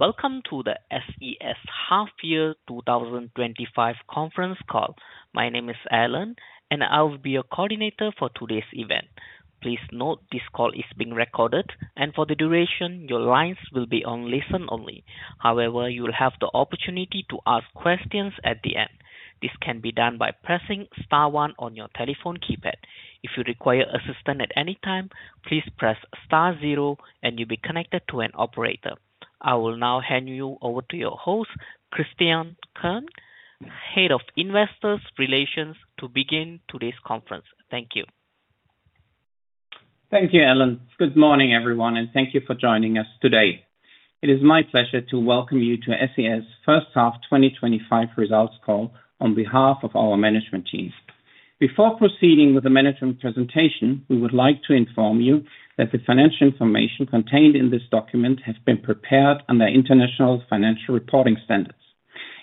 Welcome to the SES half-year 2025 conference call. My name is Alan and I will be your coordinator for today's event. Please note this call is being recorded, and for the duration your lines will be on listen-only. However, you will have the opportunity to ask questions at the end. This can be done by pressing one on your telephone keypad. If you require assistance at any time, please press star zero and you'll be connected to an operator. I will now hand you over to your host, Christian Kern, Head of Investor Relations, to begin today's conference. Thank you. Thank you, Alan. Good morning, everyone, and thank you for joining us today. It is my pleasure to welcome you to SES first half 2025 results call on behalf of our management team. Before proceeding with the management presentation, we would like to inform you that the financial information contained in this document has been prepared under International Financial Reporting Standards.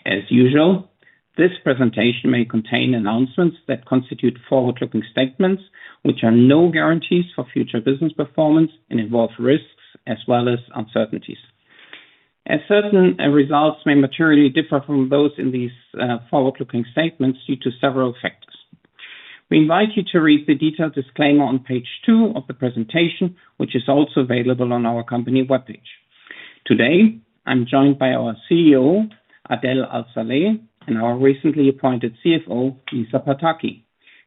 As usual, this presentation may contain announcements that constitute forward-looking statements, which are not guarantees for future business performance and involve risks as well as uncertainties, as certain results may materially differ from those in these forward-looking statements due to several factors. We invite you to read the detailed disclaimer on page 2 of the presentation, which is also available on our company webpage. Today, I'm joined by our CEO, Adel Al-Saleh, and our recently appointed CFO, Lisa Pataki,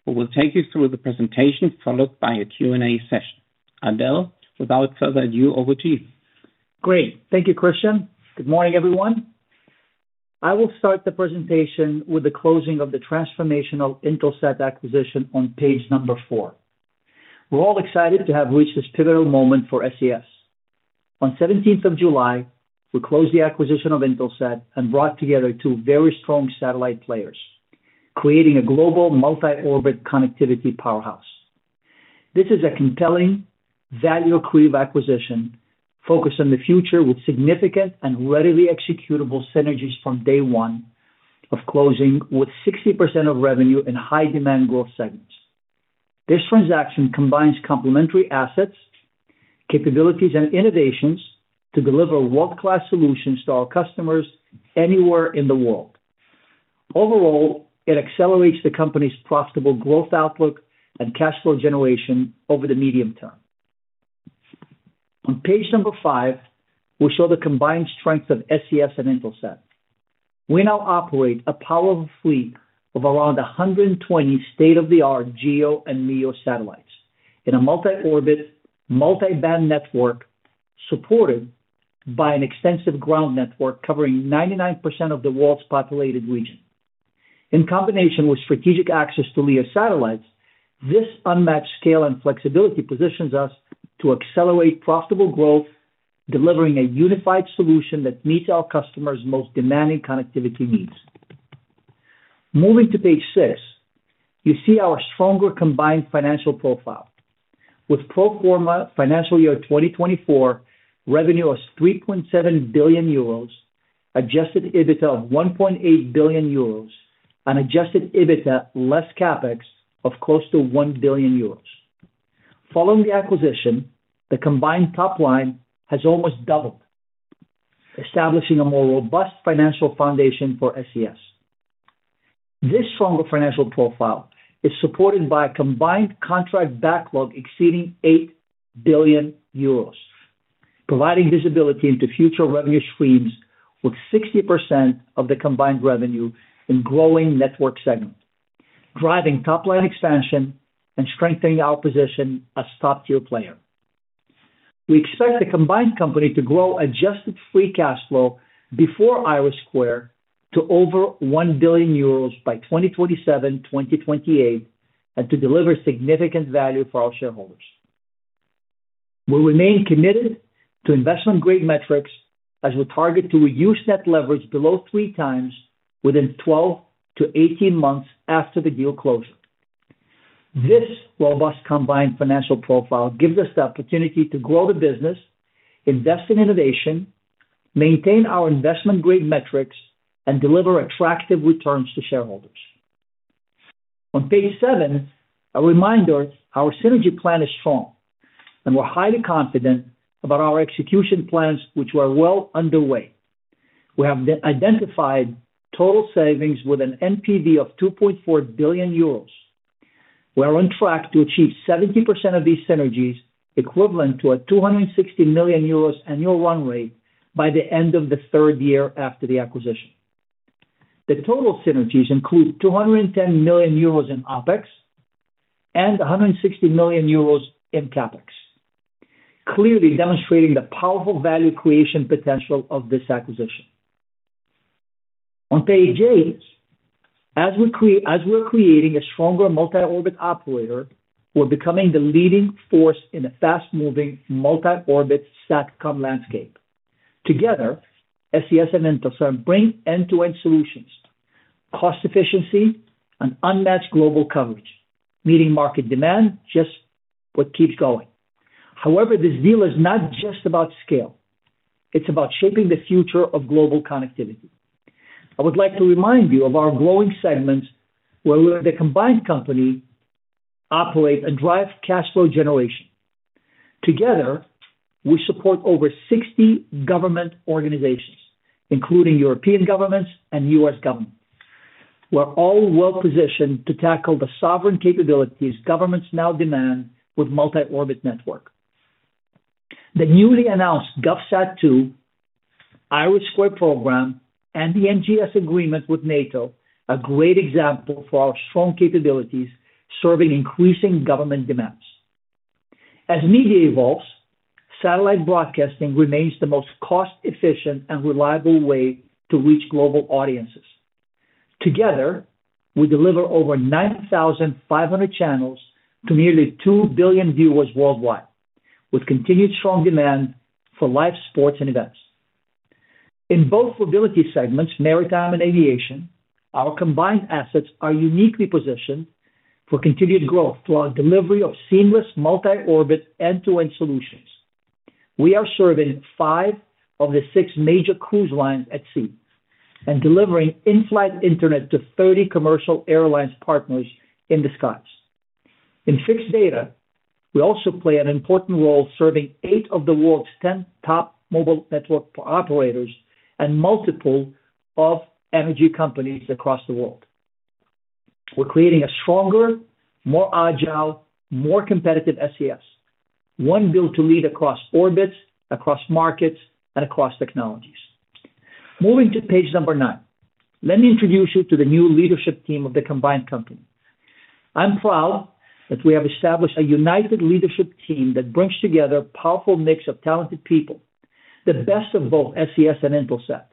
who will take you through the presentation, followed by a Q&A session. Adel, without further ado, over to you. Great. Thank you, Christian. Good morning, everyone. I will start the presentation with the closing of the transformational Intelsat acquisition on page number four. We're all excited to have reached this pivotal moment for SES. On 17th of July, we closed the acquisition of Intelsat and brought together two very strong satellite players creating a global multi-orbit satellite connectivity powerhouse. This is a compelling, value-accretive acquisition focused on the future, with significant and readily executable synergies from day one of closing, with 60% of revenue in high-demand growth segments. This transaction combines complementary assets, capabilities, and innovations to deliver world-class solutions to our customers anywhere in the world. Overall, it accelerates the company's profitable growth outlook and cash flow generation over the medium-term. On page number five, we show the combined strength of SES and Intelsat. We now operate a powerful fleet of around 120 state-of-the-art GEO and MEO satellites in a multi-orbit multi-band network supported by an extensive ground network covering 99% of the world's populated region. In combination with strategic access to LEO satellites, this unmatched scale and flexibility positions us to accelerate profitable growth, delivering a unified solution that meets our customers' most demanding connectivity needs. Moving to page 6, you see our stronger combined financial profile with pro forma financial year 2024 revenue of 3.7 billion euros, adjusted EBITDA of 1.8 billion euros, and adjusted EBITDA less capex of close to 1 billion euros. Following the acquisition, the combined top line has almost doubled, establishing a more robust financial foundation for SES. This stronger financial profile is supported by a combined contract backlog exceeding 8 billion euros, providing visibility into future revenue streams with 60% of the combined revenue in growing network segment, driving top line expansion and strengthening our position as top tier player. We expect the combined company to grow adjusted free cash flow before IRIS² to over 1 billion euros by 2027, 2028 and to deliver significant value for our shareholders. We remain committed to investment grade metrics as we target to reduce net leverage below 3x within 12-18 months after the deal closure. This robust combined financial profile gives us the opportunity to grow the business, invest in innovation, maintain our investment grade metrics, and deliver attractive returns to shareholders. On page 7, a reminder: our synergy plan is strong, and we're highly confident about our execution plans which were well underway. We have identified total savings with an NPV of 2.4 billion euros. We are on track to achieve 70% of these synergies, equivalent to a 260 million euros annual run rate by the end of the third year after the acquisition. The total synergies include 210 million euros in OpEx and 160 million euros in CapEx. Clearly demonstrating the powerful value creation potential of this acquisition. On page 8, as we're creating a stronger multi-orbit operator, we're becoming the leading force in a fast-moving multi-orbit SATCOM landscape. Together, SES and Intelsat bring end-to-end solutions, cost efficiency, and unmatched global coverage, meeting market demand. Just what keeps going, however, this deal is not just about scale, it's about shaping the future of global connectivity. I would like to remind you of our growing segments where the combined company operate and drive cash flow generation. Together we support over 60 government organizations, including European governments and U.S. Government. We're all well positioned to tackle the sovereign capabilities governments now demand with multi-orbit network. The newly announced GovSat-2, IRIS² program and the NGS agreement with NATO. A great example for our strong capabilities serving increasing government demands. As media evolves, satellite broadcasting remains the most cost-efficient and reliable way to reach global audiences. Together we deliver over 9,500 channels to nearly 2 billion viewers worldwide, with continued strong demand for live sports and events. In both mobility segments, maritime and aviation, our combined assets are uniquely positioned for continued growth through our delivery of seamless multi-orbit end-to-end solutions. We are serving five of the six major cruise lines at sea and delivering in-flight Internet to 30 commercial airline partners in the skies. In fixed data, we also play an important role serving eight of the world's 10 top mobile network operators and multiple energy companies across the world. We're creating a stronger, more agile, more competitive SES, one built to lead across orbits, across markets, and across technologies. Moving to page number nine, let me introduce you to the new leadership team of the combined company. I'm proud that we have established a united leadership team that brings together powerful mix of talented people, the best of both SES and Intelsat,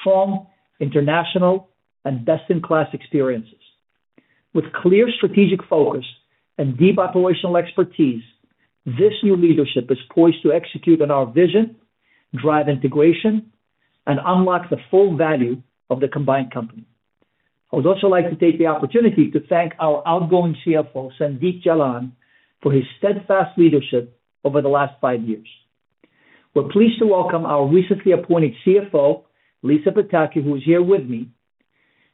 strong international and best-in-class experiences with clear strategic focus and deep operational expertise. This new leadership is poised to execute on our vision, drive integration, and unlock the full value of the combined company. I would also like to take the opportunity to thank our outgoing CFO Sandeep Jalan for his steadfast leadership over the last five years. We're pleased to welcome our recently appointed CFO Lisa Pataki, who is here with me.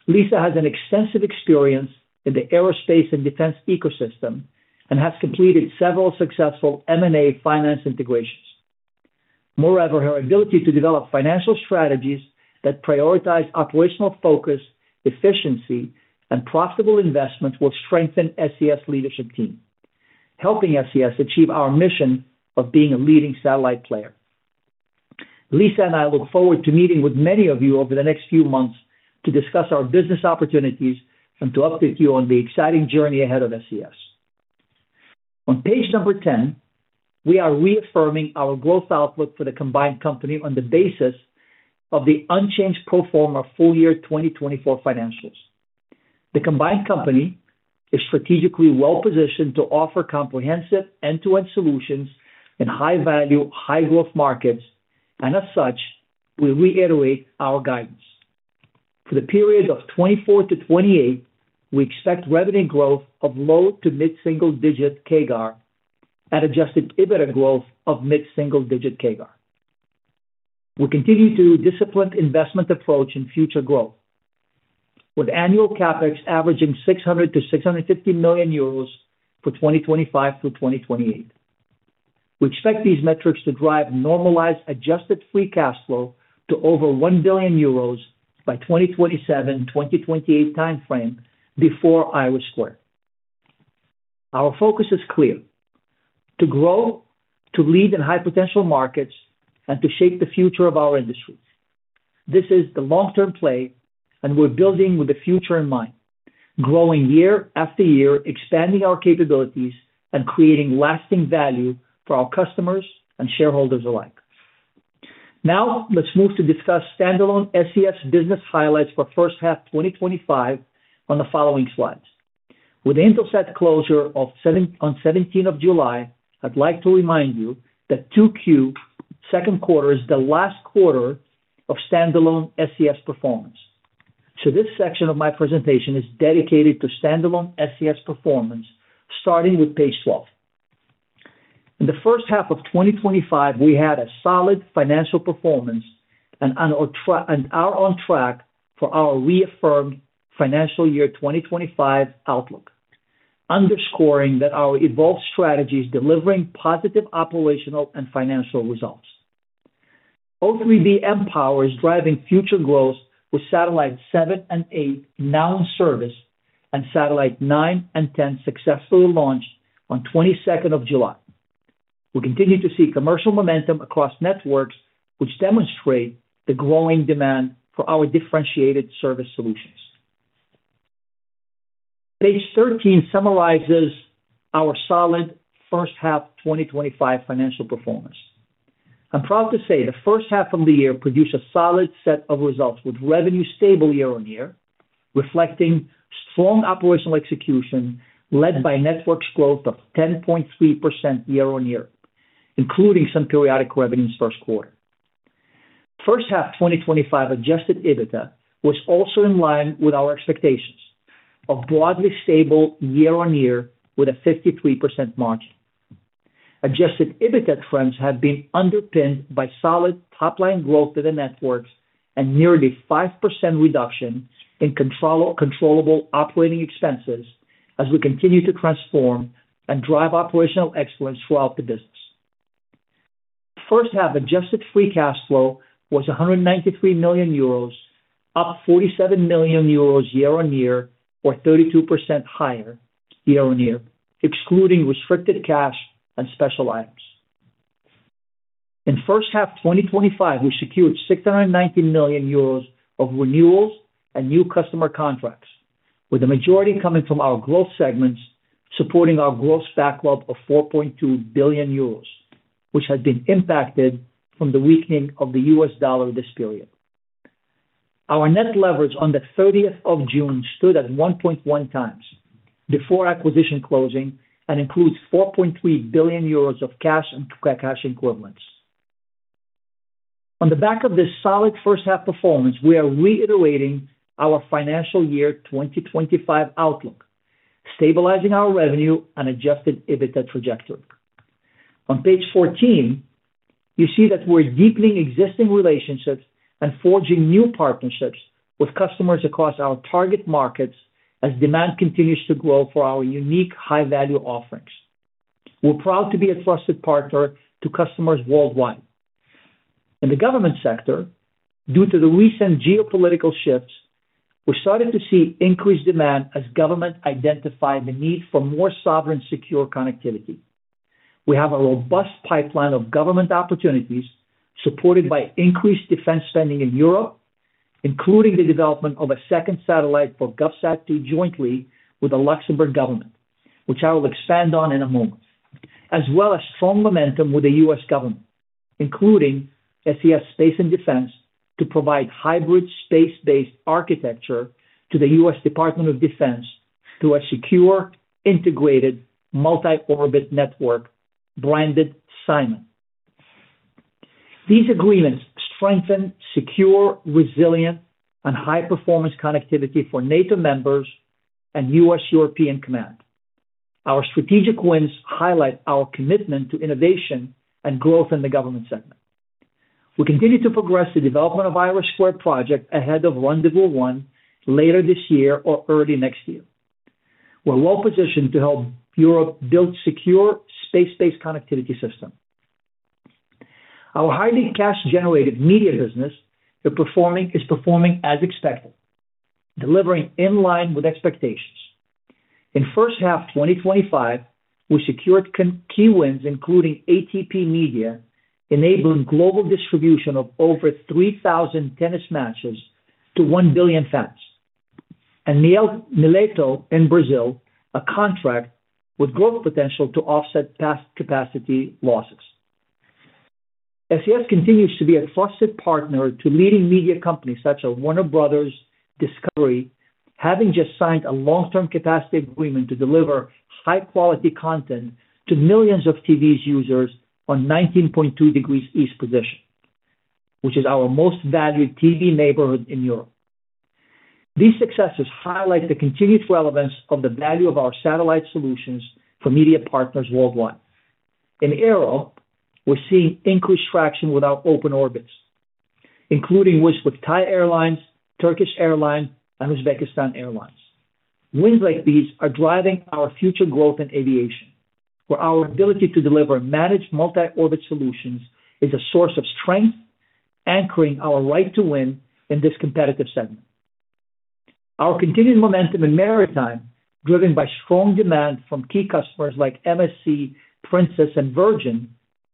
Lisa has extensive experience in the Aerospace and Defense ecosystem and has completed several successful M&A finance integrations. Moreover, her ability to develop financial strategies that prioritize operational focus, efficiency, and profitable investment will strengthen SES leadership team, helping SES achieve our mission of being a leading satellite player. Lisa and I look forward to meeting with many of you over the next few months to discuss our business opportunities and to update you on the exciting journey ahead of SES. On page number 10, we are reaffirming our growth outlook for the combined company on the basis of the unchanged pro forma full-year 2024 financials. The combined company is strategically well positioned to offer comprehensive end-to-end solutions in high value, high growth markets, and as such we reiterate our guidance. For the period of 2024 to 2028, we expect revenue growth of low to mid single digit CAGR and adjusted EBITDA growth of mid-single digit CAGR. We continue to disciplined investment approach and future growth with annual CapEx averaging 600 million-650 million euros for 2025 through 2028. We expect these metrics to drive normalized adjusted free cash flow to over 1 billion billion euros by 2027, 2028 time frame before IRIS². Our focus is clear: to grow, to lead in high potential markets, and to shape the future of our industry. This is the long-term play and we're building with the future in mind, growing year after year, expanding our capabilities, and creating lasting value for our customers and shareholders alike. Now let's move to discuss standalone SES business highlights for first half 2025 on the following slides. With Intelsat closure on 17th of July, I'd like to remind you that second quarter is the last quarter of standalone SES performance. This section of my presentation is dedicated to standalone SES performance, starting with page 12. In the first half of 2025, we had a solid financial performance and are on track for our reaffirmed financial year 2025 outlook, underscoring our evolved strategy is delivering positive operational and financial results. O3b mPOWER is driving future growth with Satellite 7 and 8 now in service and Satellite 9 and 10 successfully launched on 22nd of July. We continue to see commercial momentum across Networks, which demonstrate the growing demand for our differentiated Service Solutions. Page 13 summarizes our solid first half 2025 financial performance. I'm proud to say the first half of the year produced a solid set of results, with revenue stable year-on-year, reflecting strong operational execution led by Networks growth of 10.3% year-on-year, including some periodic revenues first quarter. First half 2025 adjusted EBITDA was also in line with our expectations of broadly stable year-on-year, with a 53% margin. Adjusted EBITDA trends have been underpinned by solid top line growth in the Networks and nearly 5% reduction in controllable operating expenses as we continue to transform and drive operational excellance throughout the business. First half adjusted free cash flow was 193 million euros, up 47 million euros year-on-year or 32% higher year-on-year, excluding restricted cash and special items. In first half 2025, we secured 690 million euros of renewals and new customer contracts, with the majority coming from our growth segments, supporting our gross backlog of 4.2 billion euros, which had been impacted from the weakening of the U.S. dollar this period. Our net leverage on 30 June stood at 1.1x before acquisition closing and includes 4.3 billion euros of cash and cash equivalents. On the back of this solid first half performance, we are reiterating our financial year 2025 outlook, stabilizing our revenue and adjusted EBITDA trajectory. On page 14, you see that we're deepening existing relationships and forging new partnerships with customers across our target markets as demand continues to grow for our unique high value offerings. We're proud to be a trusted partner to customers worldwide. In the government sector, due to the recent geopolitical shifts, we started to see increased demand as government identified the need for more sovereign secure connectivity. We have a robust pipeline of government opportunities supported by increased defense spending in Europe, including the development of a second satellite for GovSat-2 jointly with the Luxembourg Government, which I will expand on in a moment, as well as strong momentum with the U.S. Government, including SES Space and Defense, to provide hybrid space-based architecture to the U.S. Department of Defense to a secure integrated multi-orbit network branded Simon. These agreements strengthen secure, resilient, and high-performance connectivity for NATO members and U.S. European Command. Our strategic wins highlight our commitment to innovation and growth in the government segment. We continue to progress the development of IRIS² project ahead of Rendezvous 1 later this year or early next year. We're well positioned to help Europe build secure space-based connectivity systems. Our highly cash-generative media business is performing as expected, delivering in line with expectations. In first half 2025, we secured key wins including ATP Media, enabling global distribution of over 3,000 tennis matches to 1 billion fans, and Mileto in Brazil, a contract with growth potential to offset past capacity losses. SES continues to be a trusted partner to leading media companies such as Warner Bros Discovery, having just signed a long-term capacity agreement to deliver high-quality content to millions of TV users on the 19.2 Degrees East position, which is ours most valued TV neighborhood in Europe. These successes highlight the continued relevance of the value of our satellite solutions for media partners worldwide. In Aero, we're seeing increased traction with our open orbits, including with Thai Airlines, Turkish Airlines, and Uzbekistan Airlines. Wins like these are driving our future growth in aviation, where our ability to deliver managed multi-orbit solutions is a source of strength anchoring our right to win in this competitive segment. Our continued momentum in maritime driven by strong demand from key customers like MSC, Princess, and Virgin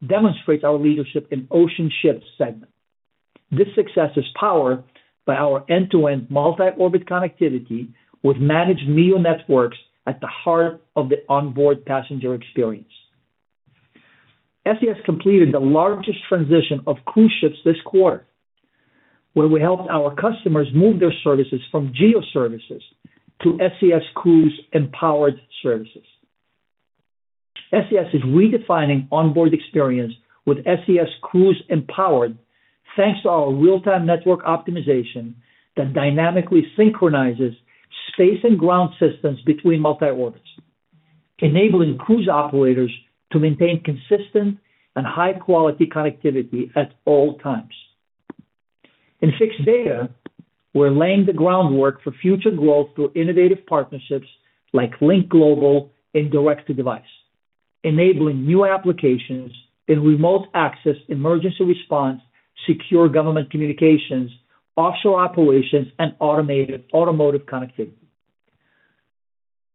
demonstrates our leadership in the ocean ships segment. This success is powered by our end-to-end multi-orbit connectivity with managed MEO networks at the heart of the onboard passenger experience. SES has completed the largest transition of cruise ships this quarter where we helped our customers move their services from GEO services to SES Cruise Empowered services. SES is redefining onboard experience with SES Cruise Empowered thanks to our real-time network optimization that dynamically synchronizes space and ground systems between multi-orbits, enabling cruise operators to maintain consistent and high-quality connectivity at all times. In fixed data, we're laying the groundwork for future growth through innovative partnerships like Link Global and Direct-to-Device, enabling new applications and remote access, emergency response, secure government communications, offshore operations, and automated automotive connectivity.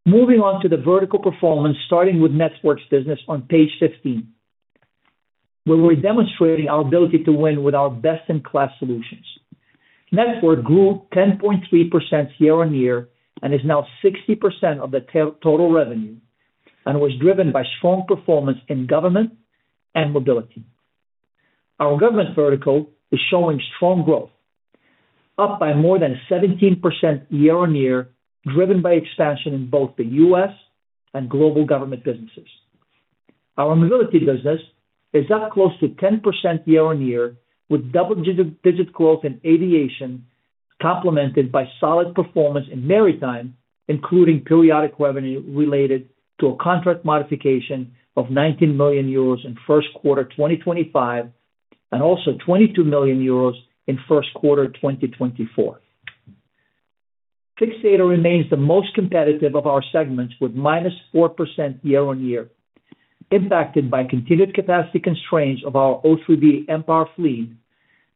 Moving on to the vertical performance, starting with Networks business on page 15, where we're demonstrating our ability to win with our best-in-class solutions. Network grew 10.3% year-on-year and is now 60% of the total revenue result was driven by strong performance in government and mobility. Our government vertical is showing strong growth up by more than 17% year-on-year, driven by expansion in both the U.S. and global government businesses. Our mobility business is up close to 10% year-on-year, with double-digit growth in aviation complemented by solid performance in maritime, including periodic revenue related to a contract modification of 19 million euros in first quarter 2025 and also 2022 1 million euros in first quarter 2024. Fixed data remains the most competitive of our segments with -4% year-on-year, impacted by continued capacity constraints of our O3b mPOWER fleet,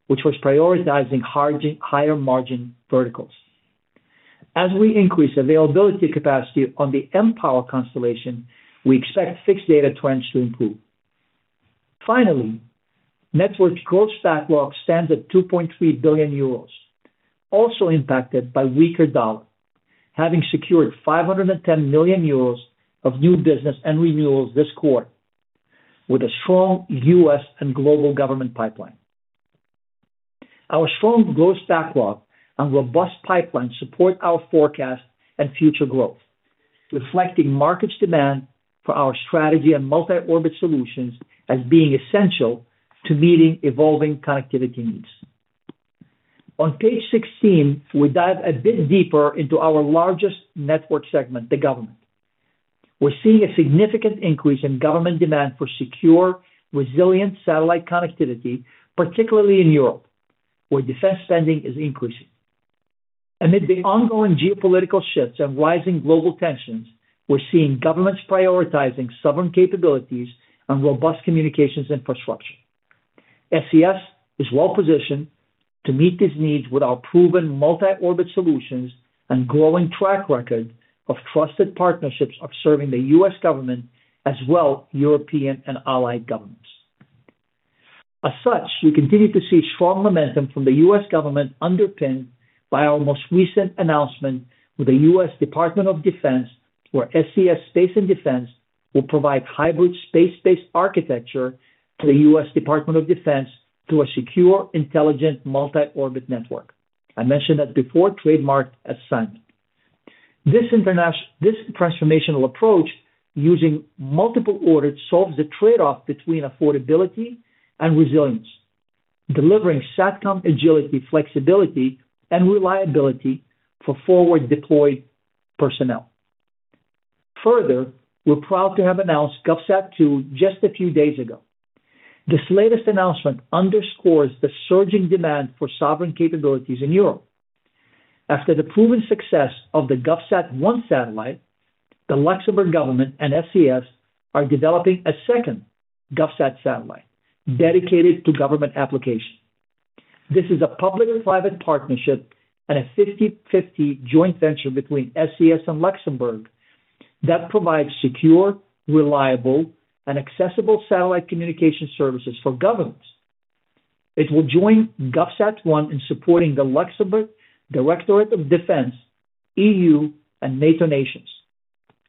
which was prioritizing higher margin verticals. As we increase available capacity on the mPOWER constellation, we expect fixed data trends to improve. Finally, Networks' gross backlog stands at 2.3 billion euros, also impacted by weaker dollar, having secured 510 million euros of new business and renewals this quarter with a strong U.S. and global government pipeline. Our strong gross backlog and robust pipeline support our forecast and future growth, reflecting market's demand for our strategy and multi-orbit solutions as being essential to meeting evolving connectivity needs. On page 16, we dive a bit deeper into our largest network segment, the government. We're seeing a significant increase in government demand for secure, resilient satellite connectivity, particularly in Europe, where defense spending is increasing. Amid the ongoing geopolitical shifts and rising global tensions, we're seeing governments prioritizing sovereign capabilities and robust communications infrastructure. SES is well positioned to meet theseneeds with our proven multi-orbit solutions a growing track record of trusted partnerships of serving the U.S. Government as well as European and allied governments. As such, we continue to see strong momentum from the U.S. Government underpinned by our most recent announcement with the U.S. Department of Defense, where SES Space and Defense will provide hybrid space-based architecture to the U.S. Department of Defense to a secure, intelligent, multi-orbit network. I mentioned that before, trademarked assignment. This transformational approach using multiple orbits solves the trade-off between affordability and resilience, delivering SATCOM agility, flexibility, and reliability for forward deployed personnel. Further, we're proud to have announced GovSat-2 Just a few days ago. This latest announcement underscores the surging demand for sovereign capabilities in Europe after the proven success of the GovSat-1 satellite. The Luxembourg Government and SES are developing a second GovSat satellite dedicated to government application. This is a public-private partnership and a 50/50 joint venture between SES and Luxembourg that provides secure, reliable, and accessible satellite communication services for governments. It will join GovSat-1 in supporting the Luxembourg Directorate of Defense, EU and NATO nations,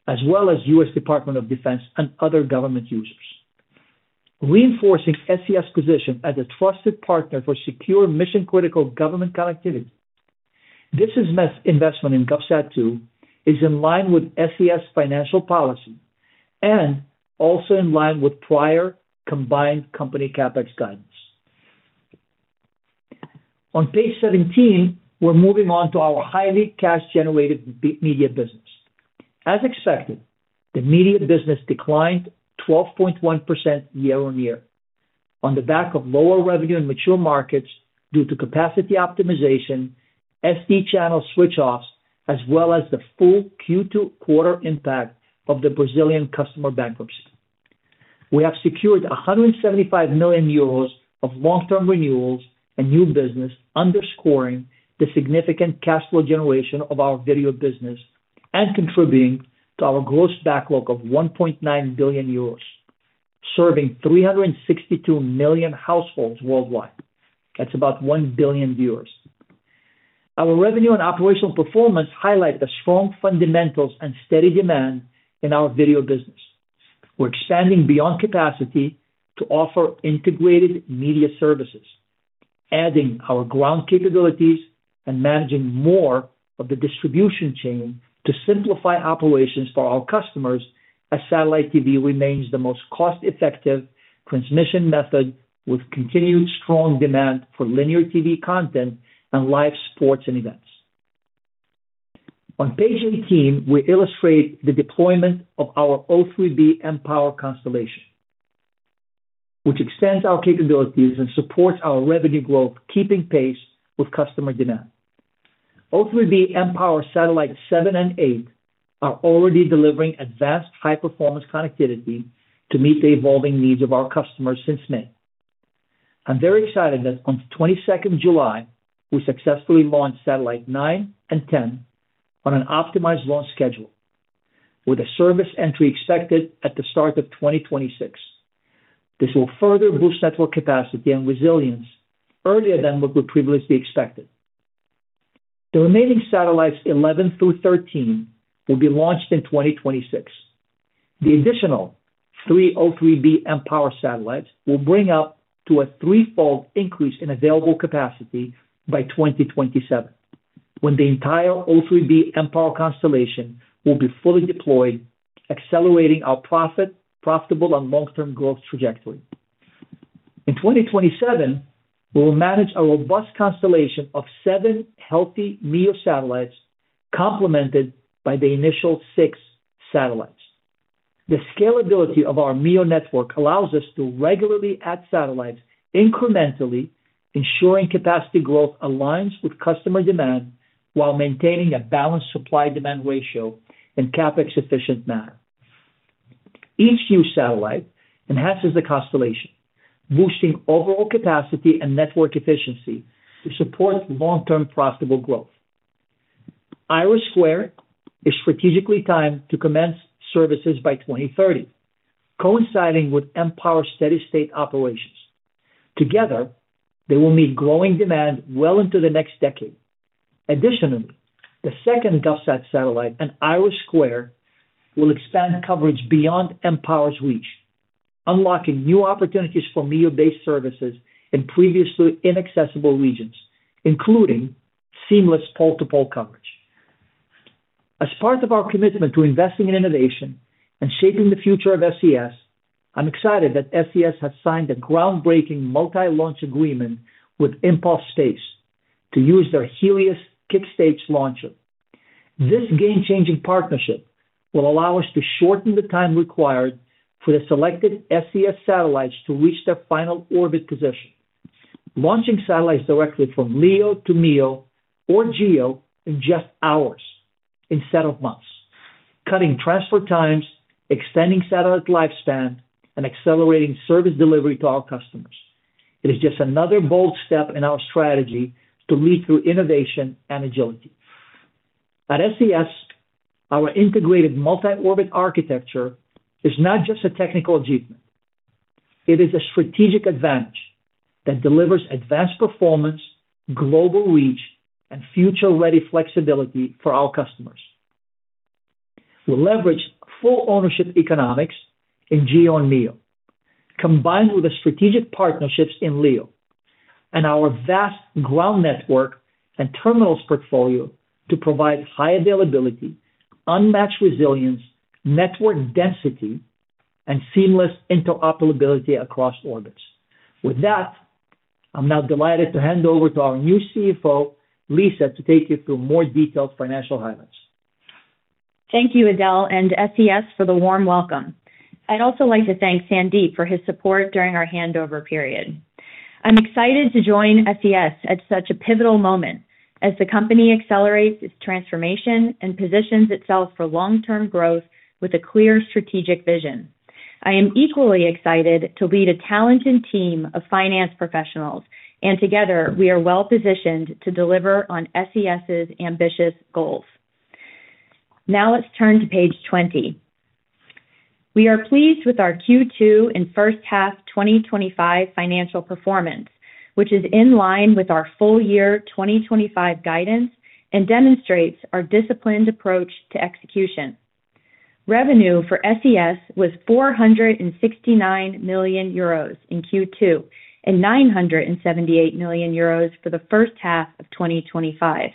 as well as U.S. Department of Defense and other government users, reinforcing SES's position as a trusted partner for secure, mission-critical government connectivity. This investment in GovSat-2 is in line with SES's financial policy and also in line with prior combined company CapEx guidance. On page 17, we're moving on to our highly cash-generative media business. As expected, the media business declined 12.1% year-on-year on the back of lower revenue in mature markets due to capacity optimization, SD channel switch-offs, as well as the full Q2 quarter impact of the Brazilian customer bankruptcy. We have secured 175 million euros of long-term renewals and new business, underscoring the significant cash flow generation of our video business and contributing to our gross backlog of 1.9 billion euros, serving 362 million households worldwide. That's about 1 billion viewers. Our revenue and operational performance highlight the strong fundamentals and steady demand in our video business. We're expanding beyond capacity to offer integrated media services, adding our ground capabilities and managing more of the distribution chain to simplify operations for our customers, as satellite TV remains the most cost-effective transmission method with continued strong demand for linear TV content and live sports and events. On page 18, we illustrate the deployment of our O3b mPOWER constellation, which extends our capabilities and supports our revenue growth, keeping pace with customer demand. O3b mPOWER Satellite 7 and 8 are already delivering advanced, high-performance connectivity to meet the evolving needs of our customers since May. I'm very excited that on the 22nd of July we successfully launched Satellite 9 and 10 on an optimized launch schedule, with a service entry expected at the start of 2026. This will further boost network capacity and resilience earlier than what would previously be expected. The remaining Satellites 11 through 13 will be launched in 2026. The additional three O3b mPOWER satellites will bring up to a threefold increase in available capacity by 2027, when the entire O3b mPOWER constellation will be fully deployed, accelerating our profitable and long-term growth trajectory. In 2027 we will manage a robust constellation of seven healthy MEO satellites complemented by the initial six satellites. The scalability of our MEO network allows us to regularly add satellites and incrementally ensuring capacity growth aligns with customer demand while maintaining a balanced supply-demand ratio in a capex-efficient manner. ECU satellite enhances the constellation, boosting overall capacity and network efficiency to support long-term profitable growth. IRIS² is strategically timed to commence services by 2030, coinciding with O3b mPOWER steady state operations. Together they will meet growing demand well into the next decade. Additionally, the second GovSat satellite, an IRIS², will expand coverage beyond mPOWER's reach, unlocking new opportunities for MEO-based services in previously inaccessible regions, including seamless pole-to-pole coverage. As part of our commitment to investing in innovation and shaping the future of SES, I'm excited that SES has signed a groundbreaking multi-launch agreement with Impulse Space to use their Helios Kickstage launcher. This game-changing partnership will allow us to shorten the time required for the selected SES satellites to reach their final orbit position, launching satellites directly from LEO to MEO or GEO in just hours instead of months, cutting transfer times, extending satellite lifespan, and accelerating service delivery to our customers. It is just another bold step in our strategy to lead through innovation and agility. At SES, our integrated multi-orbit architecture is not just a technical achievement, it is a strategic advantage that delivers advanced performance, global reach, and future-ready flexibility for our customers. We leverage full ownership economics in GEO and MEO combined with the strategic partnerships in LEO and our vast ground network and terminals portfolio to provide high availability, unmatched resilience, network density, and seamless interoperability across orbits. With that, I'm now delighted to hand over to our new CFO, Lisa, to take you through more detailed financial highlights. Thank you Adel and SES for the warm welcome. I'd also like to thank Sandeep for his support during our handover period. I'm excited to join SES at such a pivotal moment as the company accelerates its transformation and positions itself for long-term growth with a clear strategic vision. I am equally excited to lead a talented team of finance professionals, and together we are well positioned to deliver on SES's ambitious goals. Now let's turn to page 20. We are pleased with our Q2 and first half 2025 financial performance, which is in line with our full-year 2025 guidance and demonstrates our disciplined approach to execution. Revenue for SES was 469 million euros in Q2 and 978 million euros for the first half of 2025,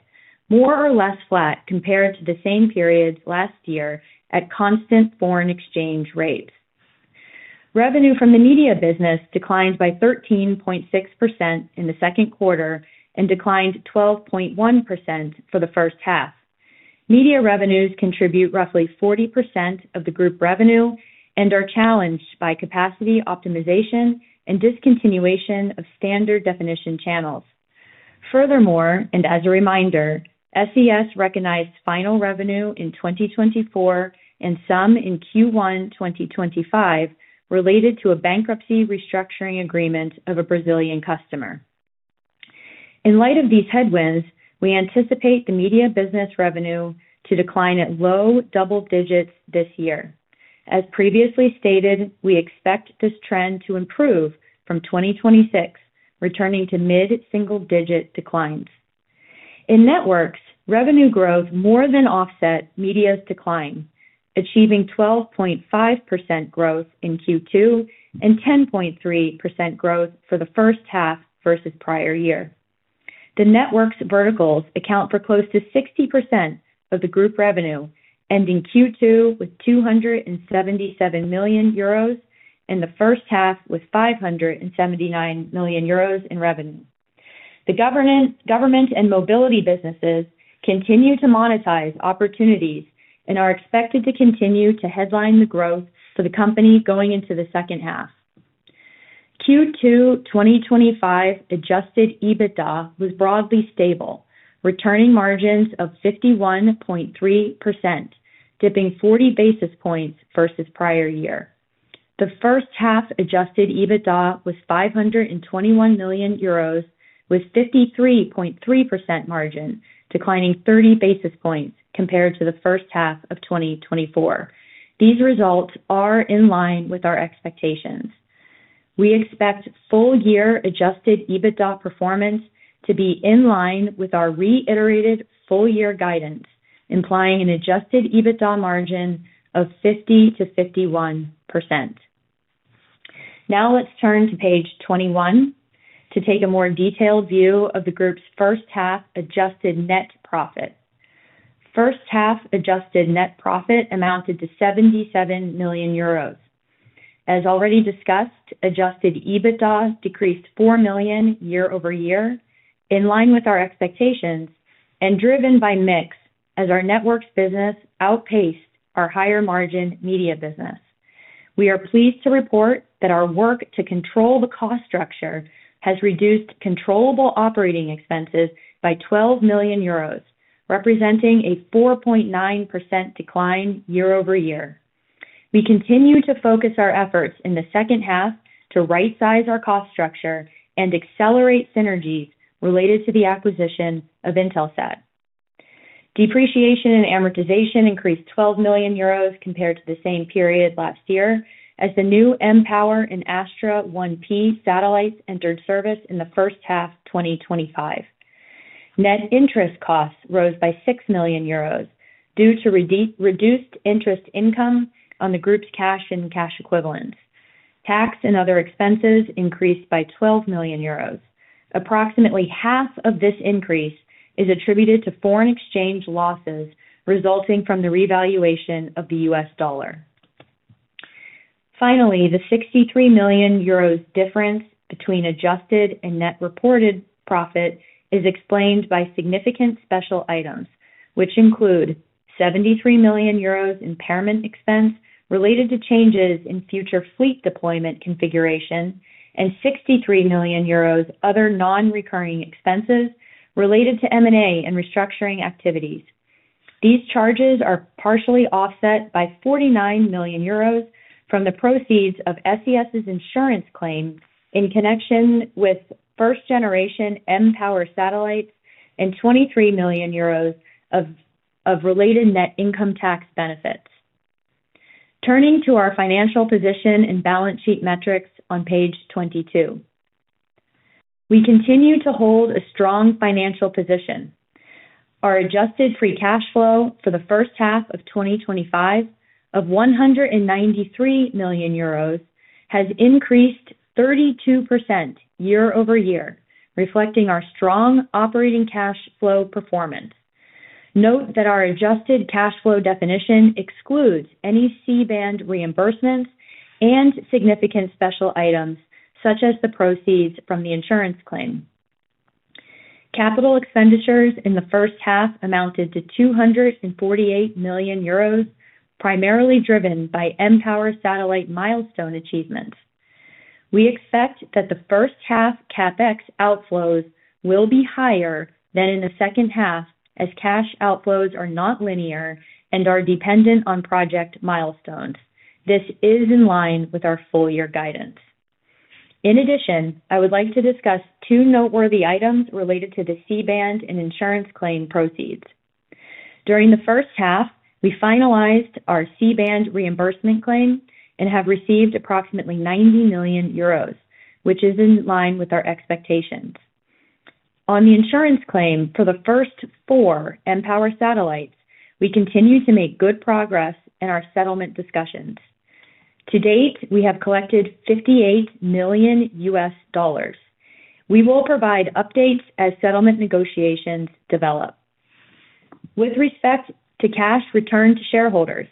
more or less flat compared to the same periods last year at constant foreign exchange rates. Revenue from the Media business declined by 13.6% in the second quarter and declined 12.1% for the first half. Media revenues contribute roughly 40% of the group revenue and are challenged by capacity optimization and discontinuation of standard definition channels. Furthermore, and as a reminder, SES recognized final revenue in 2024 and some in Q1 2025 related to a bankruptcy restructuring agreement of a Brazilian customer. In light of these headwinds, we anticipate the Media business revenue to decline at low double digits this year. As previously stated, we expect this trend to improve from 2026, returning to mid single digit declines. In Networks revenue growth more than offset media's decline, achieving 12.5% growth in Q2 and 10.3% growth for the first half versus prior year. The networks verticals account for close to 60% of the group revenue, ending Q2 with 277 million euros and the first half with 579 million euros in revenue. The government and mobility businesses continue to monetize opportunities and are expected to continue to headline the growth for the company going into the second half. Q2 2025 adjusted EBITDA was broadly stable, returning margins of 51.3%, dipping 40 basis points versus prior year. The first half adjusted EBITDA was 521 million euros with 53.3% margin, declining 30 basis points compared to the first half of 2024. These results are in line with our expectations. We expect full-year adjusted EBITDA performance to be in line with our reiterated full-year guidance, implying an adjusted EBITDA margin of 50%-51%. Now let's turn to page 21 to take a more detailed view of the group's first half adjusted net profit. First half adjusted net profit amounted to 77 million euros. As already discussed, adjusted EBITDA decreased 4 million year-over-year in line with our expectations and driven by mix as our networks business outpaced our higher margin media business. We are pleased to report that our work to control the cost structure has reduced controllable operating expenses by 12 million euros, representing a 4.9% decline year-over-year. We continue to focus our efforts in the second half to rightsize our cost structure and accelerate synergies related to the acquisition of Intelsat. Depreciation and amortization increased 12 million euros compared to the same period last year as the new mPOWER and Astra 1P satellites entered service in the first half 2025. Net interest costs rose by 6 million euros due to reduced interest income on the group's cash and cash equivalents, tax and other expenses increased by 12 million euros. Approximately half of this increase is attributed to foreign exchange losses resulting from the revaluation of the U.S. dollar. Finally, the 63 million euros difference between adjusted and net reported profit is explained by significant special items, which include a 73 million euros impairment expense related to changes in future fleet deployment configuration and 63 million euros other non-recurring expenses related to M&A and restructuring activities. These charges are partially offset by 49 million euros from the proceeds of SES's insurance claim in connection with first generation mPOWER satellites and 23 million euros of related net income tax benefits. Turning to our financial position and balance sheet metrics on page 22. We continue to hold a strong financial position. Our adjusted free cash flow for the first half of 2025 of 193 million euros has increased 32% year-over-year, reflecting our strong operating cash flow performance. Note that our adjusted cash flow definition excludes any C-band reimbursements and significant special items such as the proceeds from the insurance claim. Capital expenditures in the first half amounted to 248 million euros, primarily driven by mPOWER satellite milestone achievements. We expect that the first half CapEx outflows will be higher than in the second half as cash outflows are not linear and are dependent on project milestones. This is in line with our full-year guidance. In addition, I would like to discuss two noteworthy items related to the C-band and insurance claim proceeds. During the first half, we finalized our C-band reimbursement claim and have received approximately 90 million euros, which is in line with our expectations. On the insurance claim for the first four mPOWER satellites, we continue to make good progress in our settlement discussions. To date, we have collected $58 million. We will provide updates as settlement negotiations develop. With respect to cash returned to shareholders,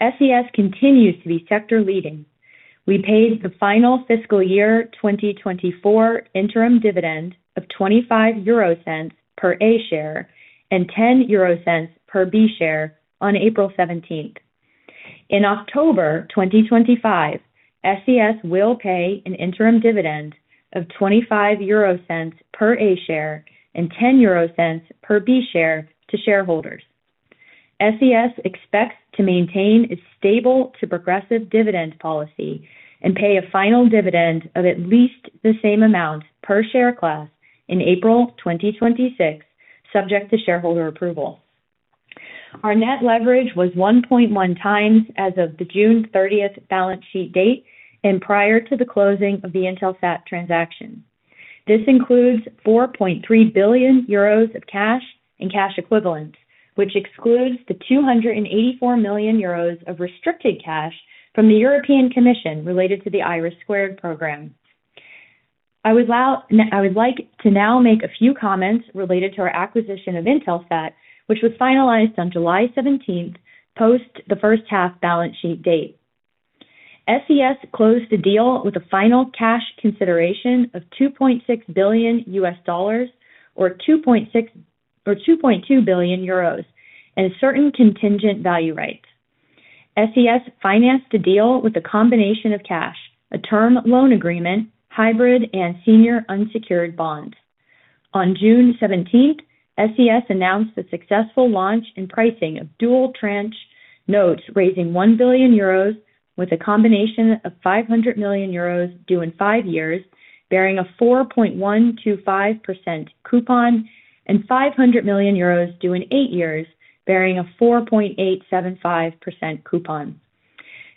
SES continues to be sector leading. We paid the final fiscal year 2024 interim dividend of 0.25 per A share and 0.10 per B share on April 17th. In October 2025, SES will pay an interim dividend of 0.25 per A share and 0.10 per B share to shareholders. SES expects to maintain its stable to progressive dividend policy and pay a final dividend of at least the same amount per share class in April 2026, subject to shareholder approval. Our net leverage was 1.1x as of the June 30 balance sheet date and prior to the closing of the Intelsat transaction. This includes 4.3 billion euros of cash and cash equivalents, which excludes the 284 million euros of restricted cash from the European Commission related to the IRIS² program. I would like to now make a few comments related to our acquisition of Intelsat, which was finalized on July 17th post the first half balance sheet date. SES closed the deal with a final cash consideration of $2.6 billion or 2.2 billion euros and certain contingent value rights. SES financed the deal with a combination of cash, a term loan agreement, hybrid and senior unsecured bonds. On June 17th, SES announced the successful launch and pricing of dual tranche notes raising 1 billion euros with a combination of 500 million euros due in five years bearing a 4.125% coupon and 500 million euros due in eight years bearing a 4.875% coupon.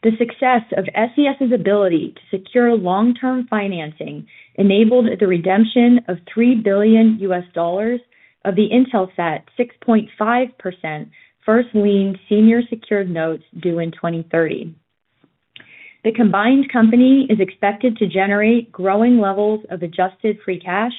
The success of SES's ability to secure long-term financing enabled the redemption of $3 billion of the Intelsat 6.5% first lien senior secured notes due in 2030. The combined company is expected to generate growing levels of adjusted free cash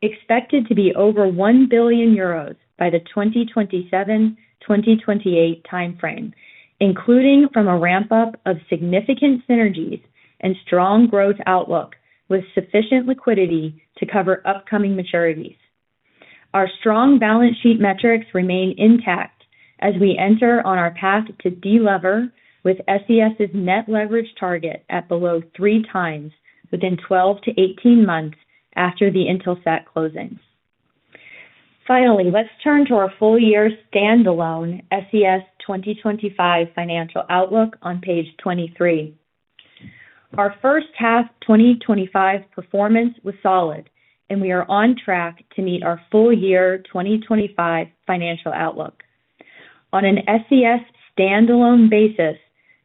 expected to be over 1 billion euros by the 2027, 2028 timeframe, including from a ramp up of significant synergies and strong growth outlook with sufficient liquidity to cover upcoming maturities. Our strong balance sheet metrics remain intact as we enter on our path to delever with SES's net leverage target at below 3x within 12-18 months after the Intelsat closings. Finally, let's turn to our full-year standalone SES 2025 financial outlook on page 23. Our first half 2025 performance was solid and we are on track to meet our full-year 2025 financial outlook on an SES standalone basis.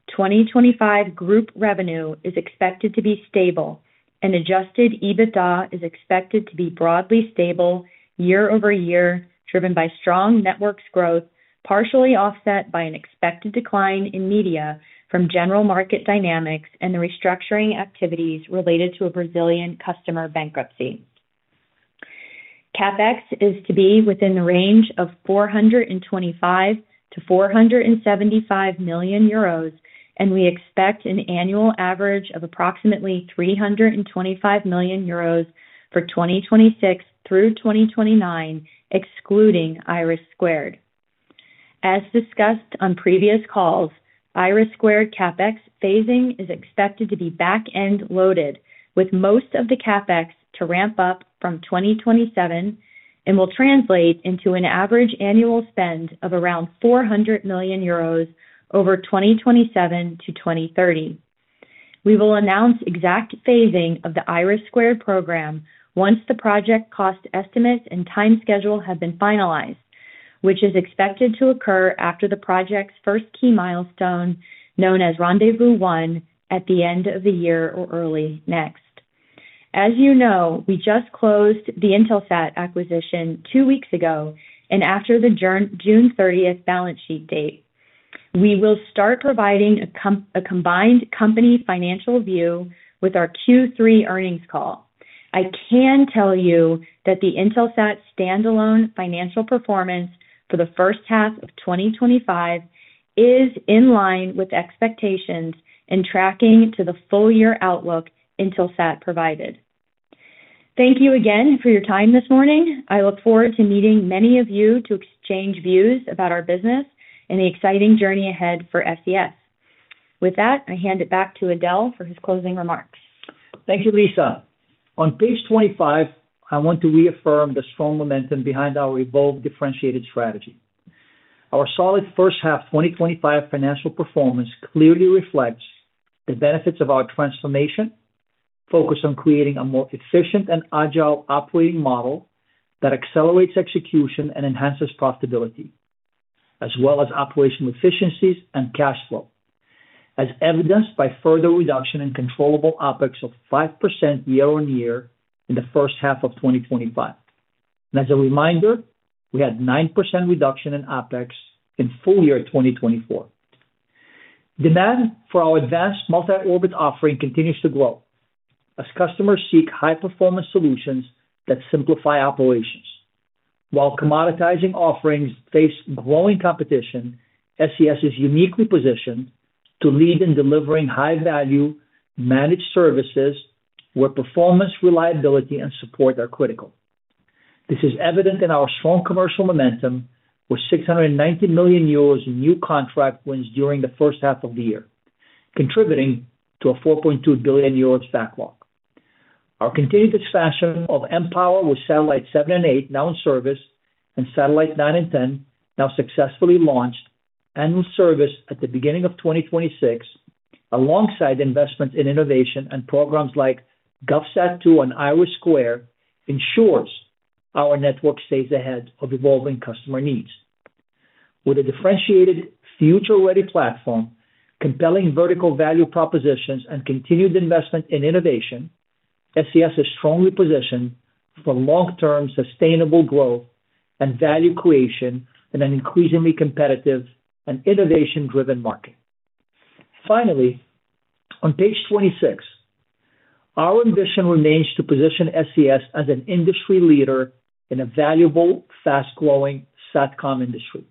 2025 group revenue is expected to be stable and adjusted EBITDA is expected to be broadly stable year-over-year, driven by strong networks growth partially offset by an expected decline in media from general market dynamics and the restructuring activities related to a Brazilian customer bankruptcy. CapEx is to be within the range of 425 million-475 million euros, and we expect an annual average of approximately 325 million euros for 2026 through 2029, excluding IRIS². As discussed on previous calls, IRIS² CapEx phasing is expected to be back-end loaded, with most of the CapEx to ramp up from 2027 and will translate into an average annual spend of around 400 million euros over 2027 to 2030. We will announce exact phasing of the IRIS² program once the project cost estimates and time schedule have been finalized, which is expected to occur after the project's first key milestone, known as [Randevu One,] at the end of the year or early next. As you know, we just closed the Intelsat acquisition two weeks ago, and after the June 30th balance sheet date, we will start providing a combined company financial view with our Q3 earnings call. I can tell you that the Intelsat standalone financial performance for the first half of 2025 is in line with expectations and tracking to the full-year outlook Intelsat provided. Thank you again for your time this morning. I look forward to meeting many of you to exchange views about our business and the exciting journey ahead for SES. With that, I hand it back to Adel for his closing remarks. Thank you, Lisa. On page 25, I want to reaffirm the strong momentum behind our evolved, differentiated strategy and our solid first half 2025 financial performance clearly reflects the benefits of our transformation. Focus on creating a more efficient and agile operating model that accelerates execution and enhances profitability, as well as operational efficiencies and cash flow, as evidenced by further reduction in controllable OpEx of 5% year-on-year in the first half of 2025, and as a reminder, we had 9% reduction in OpEx in full-year 2024. Demand for our advanced multi-orbit offering continues to grow as customers seek high performance solutions that simplify operations while commoditizing offerings face growing competition SES is uniquely positioned to lead in delivering high value managed services where performance reliability and support are critical. This is evident in our strong commercial momentum with 690 million euros in new contract wins during the first half of the year contributing to a 4.2 billion euros backlog. Our continued expansion of mPOWER with Satellite 7 and 8 now in service. Satellite 9 and 10 now successfully launched in service at the beginning of 2026, alongside investments in innovation and programs like GovSat-2 and IRIS², ensures our network stays ahead of evolving customer needs. With a differentiated, future-ready platform, compelling vertical value propositions and continued investment in innovation, SES is strongly positioned for long-term sustainable growth and value creation in an increasingly competitive and innovation-driven market. Finally, on page 26, our ambition remains to position SES as an industry leader in a valuable, fast-growing SATCOM industry.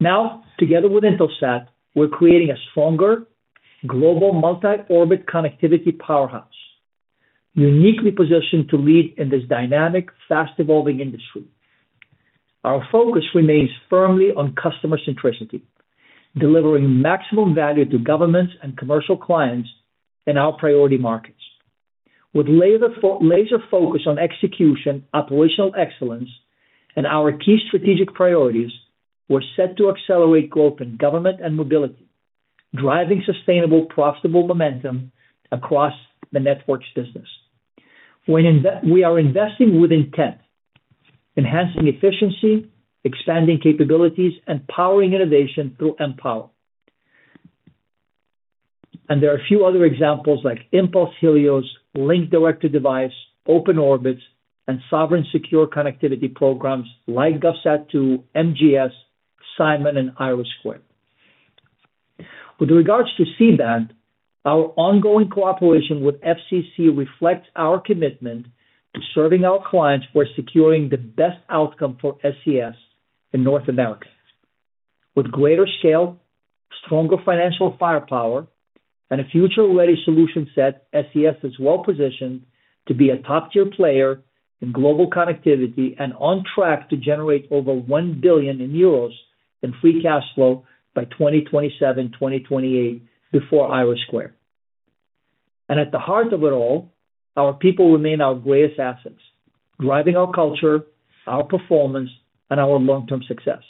Now, together with Intelsat, we're creating a stronger global multi-orbit connectivity powerhouse, uniquely positioned to lead in this dynamic, fast-evolving industry. Our focus remains firmly on customer centricity delivering maximum value to governments and commercial clients in our priority markets. With laser focus on execution, operational excAlance, and our key strategic priorities, we're set to accelerate growth in government and mobility, driving sustainable, profitable momentum across the networks business. We are investing with intent, enhancing efficiency, expanding capabilities, and powering innovation through mPOWER. There are a few other examples like Impulse, Helios, Link Directed Device, OpenOrbits and Sovereign secure connectivity programs like GovSat-2, MGS, IRIS². With regards to C-band, our ongoing cooperation with the FCC reflects our commitment to serving our clients for securing the best outcome for SES in North America with greater scale, stronger financial firepower, and a future-ready solution set SES is well positioned to be a top tier player in global connectivity on track to generate over 1 billion euros and free cash flow by 2027, 2028 before IRIS², and at the heart of it all, our people remain our greatest assets, driving our culture, our performance, and our long-term success.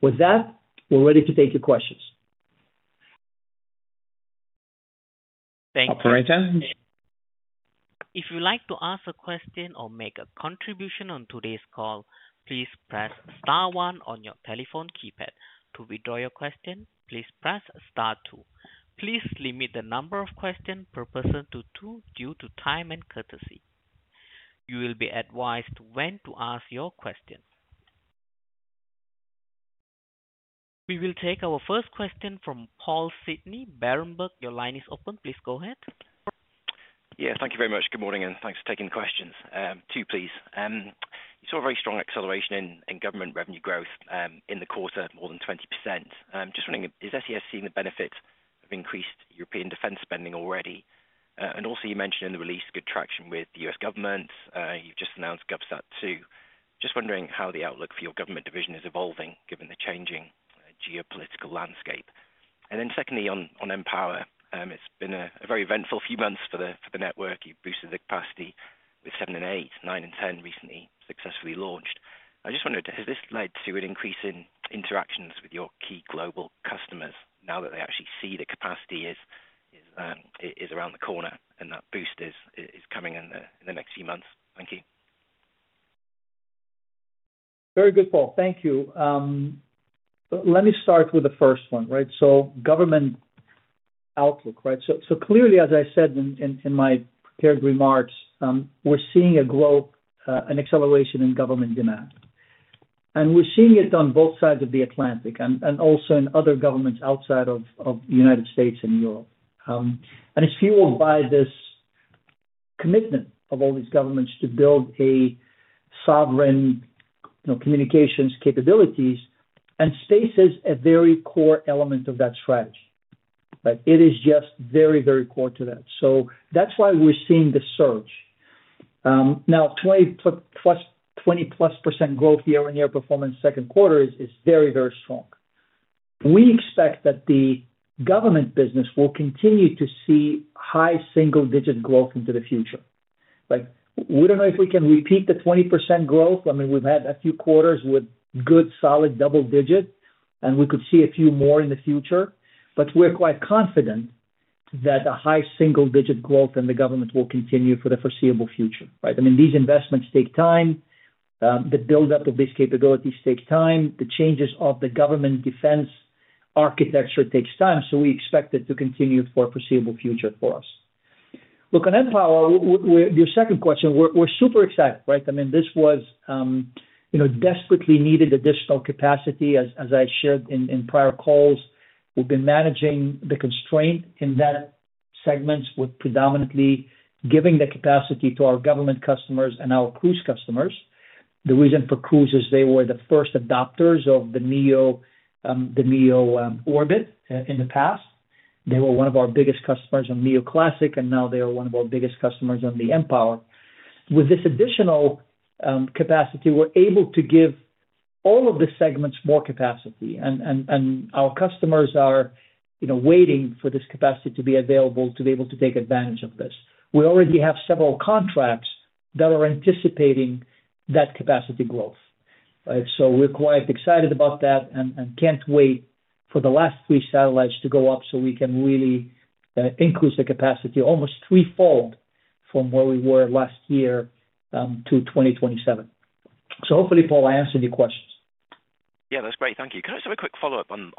With that, we're ready to take your questions. Thank you, Adel. If you would like to ask a question or make a contribution on today's call, please press star one on your telephone keypad. To withdraw your question, please press star two. Please limit the number of questions per person to two. Due to time and courtesy, you will be advised when to ask your question. We will take our first question from Paul Sidney Berenberg. Your line is open. Please go ahead. Yeah, thank you very much. Good morning and thanks for taking questions. Two, please. You saw a very strong acceleration in government revenue growth in the quarter, more than 20%. Just wondering, is SES seeing the benefit of increased European defense spending already? You mentioned in the release good traction with the U.S. Government. You've just announced GovSat-2. Just wondering how the outlook for your government division is evolving given the changing geopolitical landscape. Secondly, on mPOWER, it's been a very eventful few months for the network, boosted the capacity with 7 and 8, 9 and 10 recently successfully launched. I just wondered, has this led to an increase in interactions with your key global customers now that they actually see the capacity is around the corner and that boost is coming in the next few months. Thank you. Very good, Paul. Thank you. Let me start with the first one. Right. Government. Clearly, as I said in my prepared remarks, we're seeing a growth, an acceleration in government demand, and we're seeing it on both sides of the Atlantic and also in other governments outside of the United States and Europe. It's fueled by this commitment of all these governments to build a sovereign communications capabilities and space is a very core element of that strategy. It is just very, very core to that. That's why we're seeing the surge now. 20%+ growth, year-on-year performance, second quarter is very, very strong. We expect that the government business will continue to see high single digit growth into the future. We don't know if we can repeat the 20% growth. I mean we've had a few quarters. With good, solid double digit, and we could see a few more in the future. We're quite confident that a high single-digit growth in the government will continue for the foreseeable future. These investments take time. The buildup of these capabilities takes time. The changes of the government defense architecture take time. We expect it to continue for the foreseeable future for us. On that, your second question. We're super excited. This was desperately needed additional capacity. As I shared in prior calls, we've been managing the constraint in that segment with predominantly giving the capacity to our government customers and our Cruise customers. The reason for Cruise is they were the first adopters of the MEO orbit. In the past, they were one of our biggest customers on MEO classic and now they are one of our biggest customers on the mPOWER. With this additional capacity, we're able to give all of the segments more capacity, and our customers are waiting for this capacity to be available to be able to take advantage of this. We already have several contracts that are anticipating that capacity growth. We're quite excited about that can't wait for the last three satellites to go up, so we can really increase the capacity almost threefold from where we were last year to 2027. Hopefully, Paul, I answered your questions. Yeah, that's great, thank you. Can I have a quick follow-up on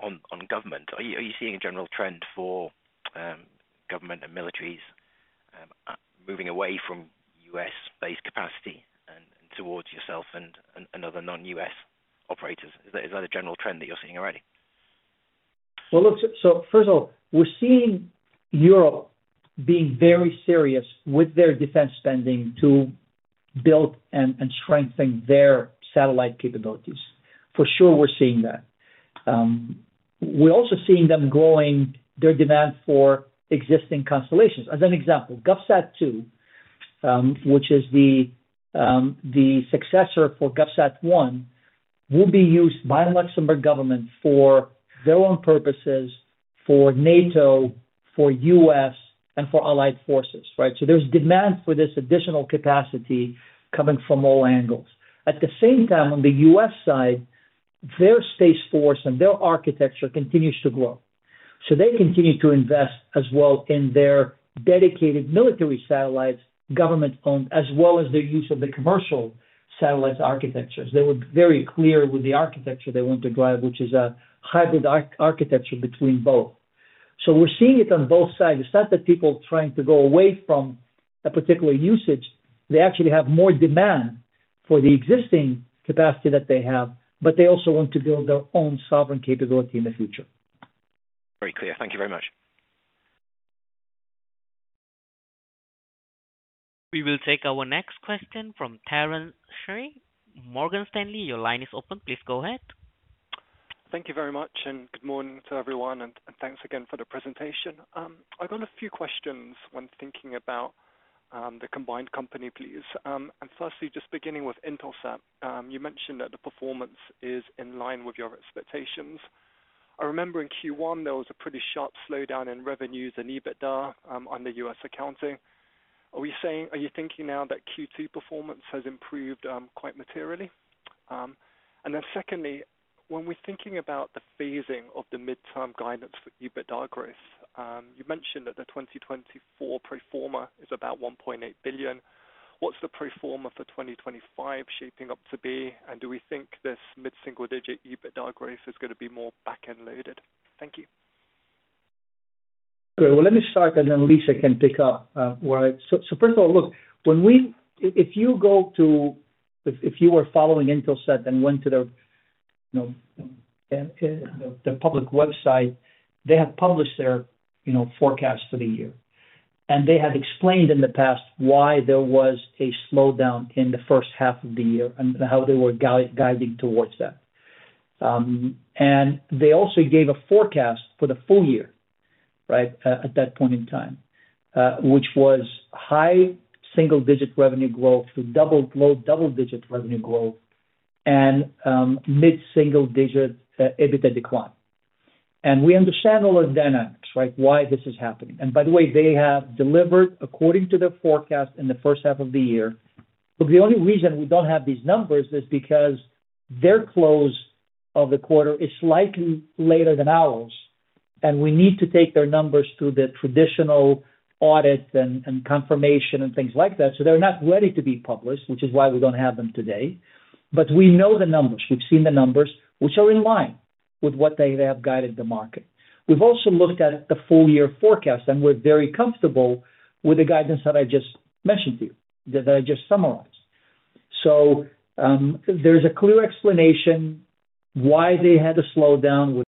government? Are you seeing a general trend for government and militaries moving away from U.S.-based capacity and towards yourself and other non-U.S. operators? Is that a general trend that you're seeing already? First of all, we're seeing Europe being very serious with their defense spending to build and strengthen their satellite capabilities. For sure, we're seeing that. We're also seeing them growing their demand for existing constellations. As an example, GovSat-2, which is the successor for GovSat-1 will be used by Luxembourg Government for their own purposes, for NATO, for U.S. and for allied forces. Right. There is demand for this additional capacity coming from all angles. At the same time, on the U.S. side, their Space Force and their architecture continues to grow, so they continue to invest as well in their dedicated military satellites, government owned as well as their use of the commercial satellites architectures. They were very clear with the architecture they want to drive, which is a hybrid architecture between both. We're seeing it on both sides. It's not that people trying to go away from a particular usage, they actually have more demand for the existing capacity that they have, but they also want to build their own sovereign capability in the future. Very clear. Thank you very much. We will take our next question from Terence Tsui, Morgan Stanley. Your line is open. Please go ahead. Thank you very much and good morning to everyone, and thanks again for the presentation. I got a few questions when thinking about the combined company, please. Firstly, just beginning with Intelsat, you mentioned that the performance is in line with your expectations. I remember in Q1 there was a pretty sharp slowdown in revenues and EBITDA under U.S. accounting. Are we saying, are you thinking now that Q2 performance has improved quite materially? Secondly, when we're thinking about the phasing of the midterm guidance for EBITDA growth, you mentioned that the 2024 pro forma is about $1.8 billion. What's the pro forma for 2025 shaping up to be? Do we think this mid single digit EBITDA growth is going to be more back end loaded? Thank you. Great. Let me start, and then Lisa can pick up. First of all, look, when we, if you go to, if you were following Intelsat and went to their public website, they have published their, you know, forecast for the year and they had explained in the past why there was a slowdown in the first half of the year and how they were guiding towards that. They also gave a forecast for the full-year right at that point in time, which was high single digit revenue growth to low double digit revenue growth and mid single digit EBITDA decline. We understand all the dynamics, right, why this is happening. By the way, they have delivered according to the forecast in the first half of the year. The only reason we don't have these numbers are because they're close of the quarter is slightly later than ours, and we need to take their numbers through the traditional audit and confirmation and things like that. They're not ready to be published, which is why we don't have them today. We know the numbers, we've seen the numbers, which are in line with. What they have guided the market. We've also looked at the full-year forecast, and we're very comfortable with the guidance that I just mentioned to you that I just summarized, there's a clear explanation why they had a slowdown with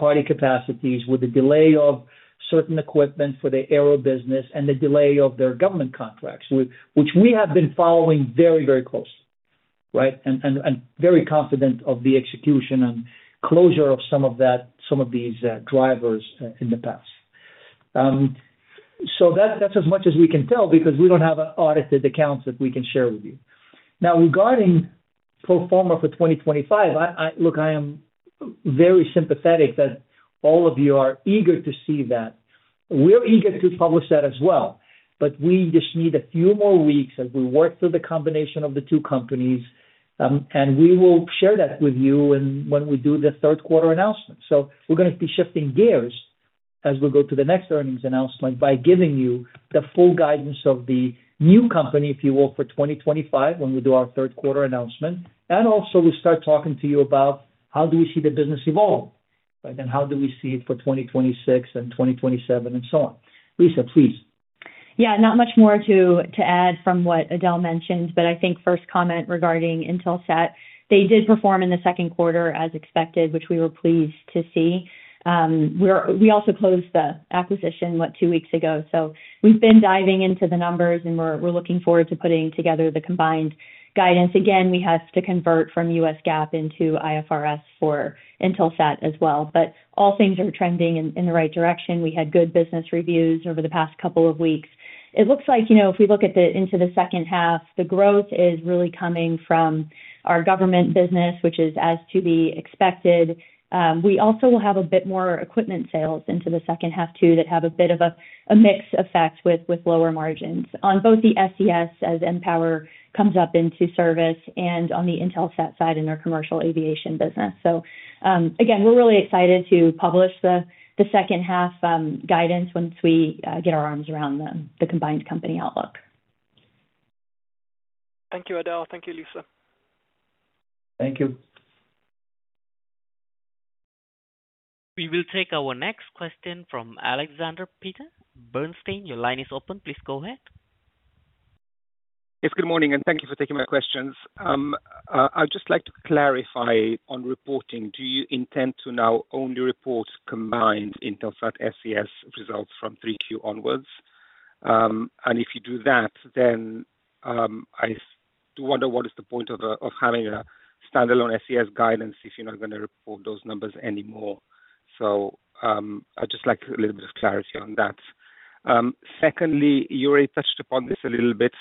party capacities with the delay of certain equipment for the Aero business and the delay of their government contracts, which we have been following very, very close. Right. Very confident of the execution and closure of some of these drivers in the past. That's as much as we can tell because we don't have audited accounts that we can share with you. Now regarding pro forma for 2025, look, I am very sympathetic to all you are eager to see that we're eager to publish that as well. We just need a few more weeks as we work through the combination of the two companies, and we will share that with you when we do the third quarter announcement. We are going to be shifting gears as we go to the next earnings announcement by giving you the full guidance of the new company, if you will, for 2025 when we do our third quarter announcement, and also we start talking to you about how do we see the business evolve and how do we see it for 2026 and 2027 and so on. Lisa, please. Yeah, not much more to add from what Adel mentioned, but I think first comment regarding Intelsat, they did perform in the second quarter as expected, which we were pleased to see. We also closed the acquisition, what, two weeks ago. We've been diving into the numbers and we're looking forward to putting together the combined guidance again. We have to convert from U.S. GAAP into IFRS for Intelsat as well. All things are trending in the right direction. We had good business reviews over the past couple of weeks. It looks like, you know, if we looking into the second half, the growth is really coming from our government business, which is as to be expected. We also will have a bit more equipment sales into the second half too, that have a bit of a mix effect with lower margins on both the SES as mPOWER comes up into service and on the Intelsat side in our commercial aviation business. We're really excited to publish the second half guidance once we get our arms around the combined company outlook. Thank you, Adel. Thank you, Lisa. Thank you. We will take our next question from Alexander Peterc, Bernstein, your line is open. Please go ahead. Yes, good morning and thank you for taking my questions. I'd just like to clarify on reporting, do you intend to now only report combined Intelsat SES results from Q3 onwards? If you do that, then I do wonder what is the point of having a standalone SES guidance if you're not going to report those numbers anymore. I'd just like a little bit of clarity on that. Secondly, Yuri touched upon this a little bit,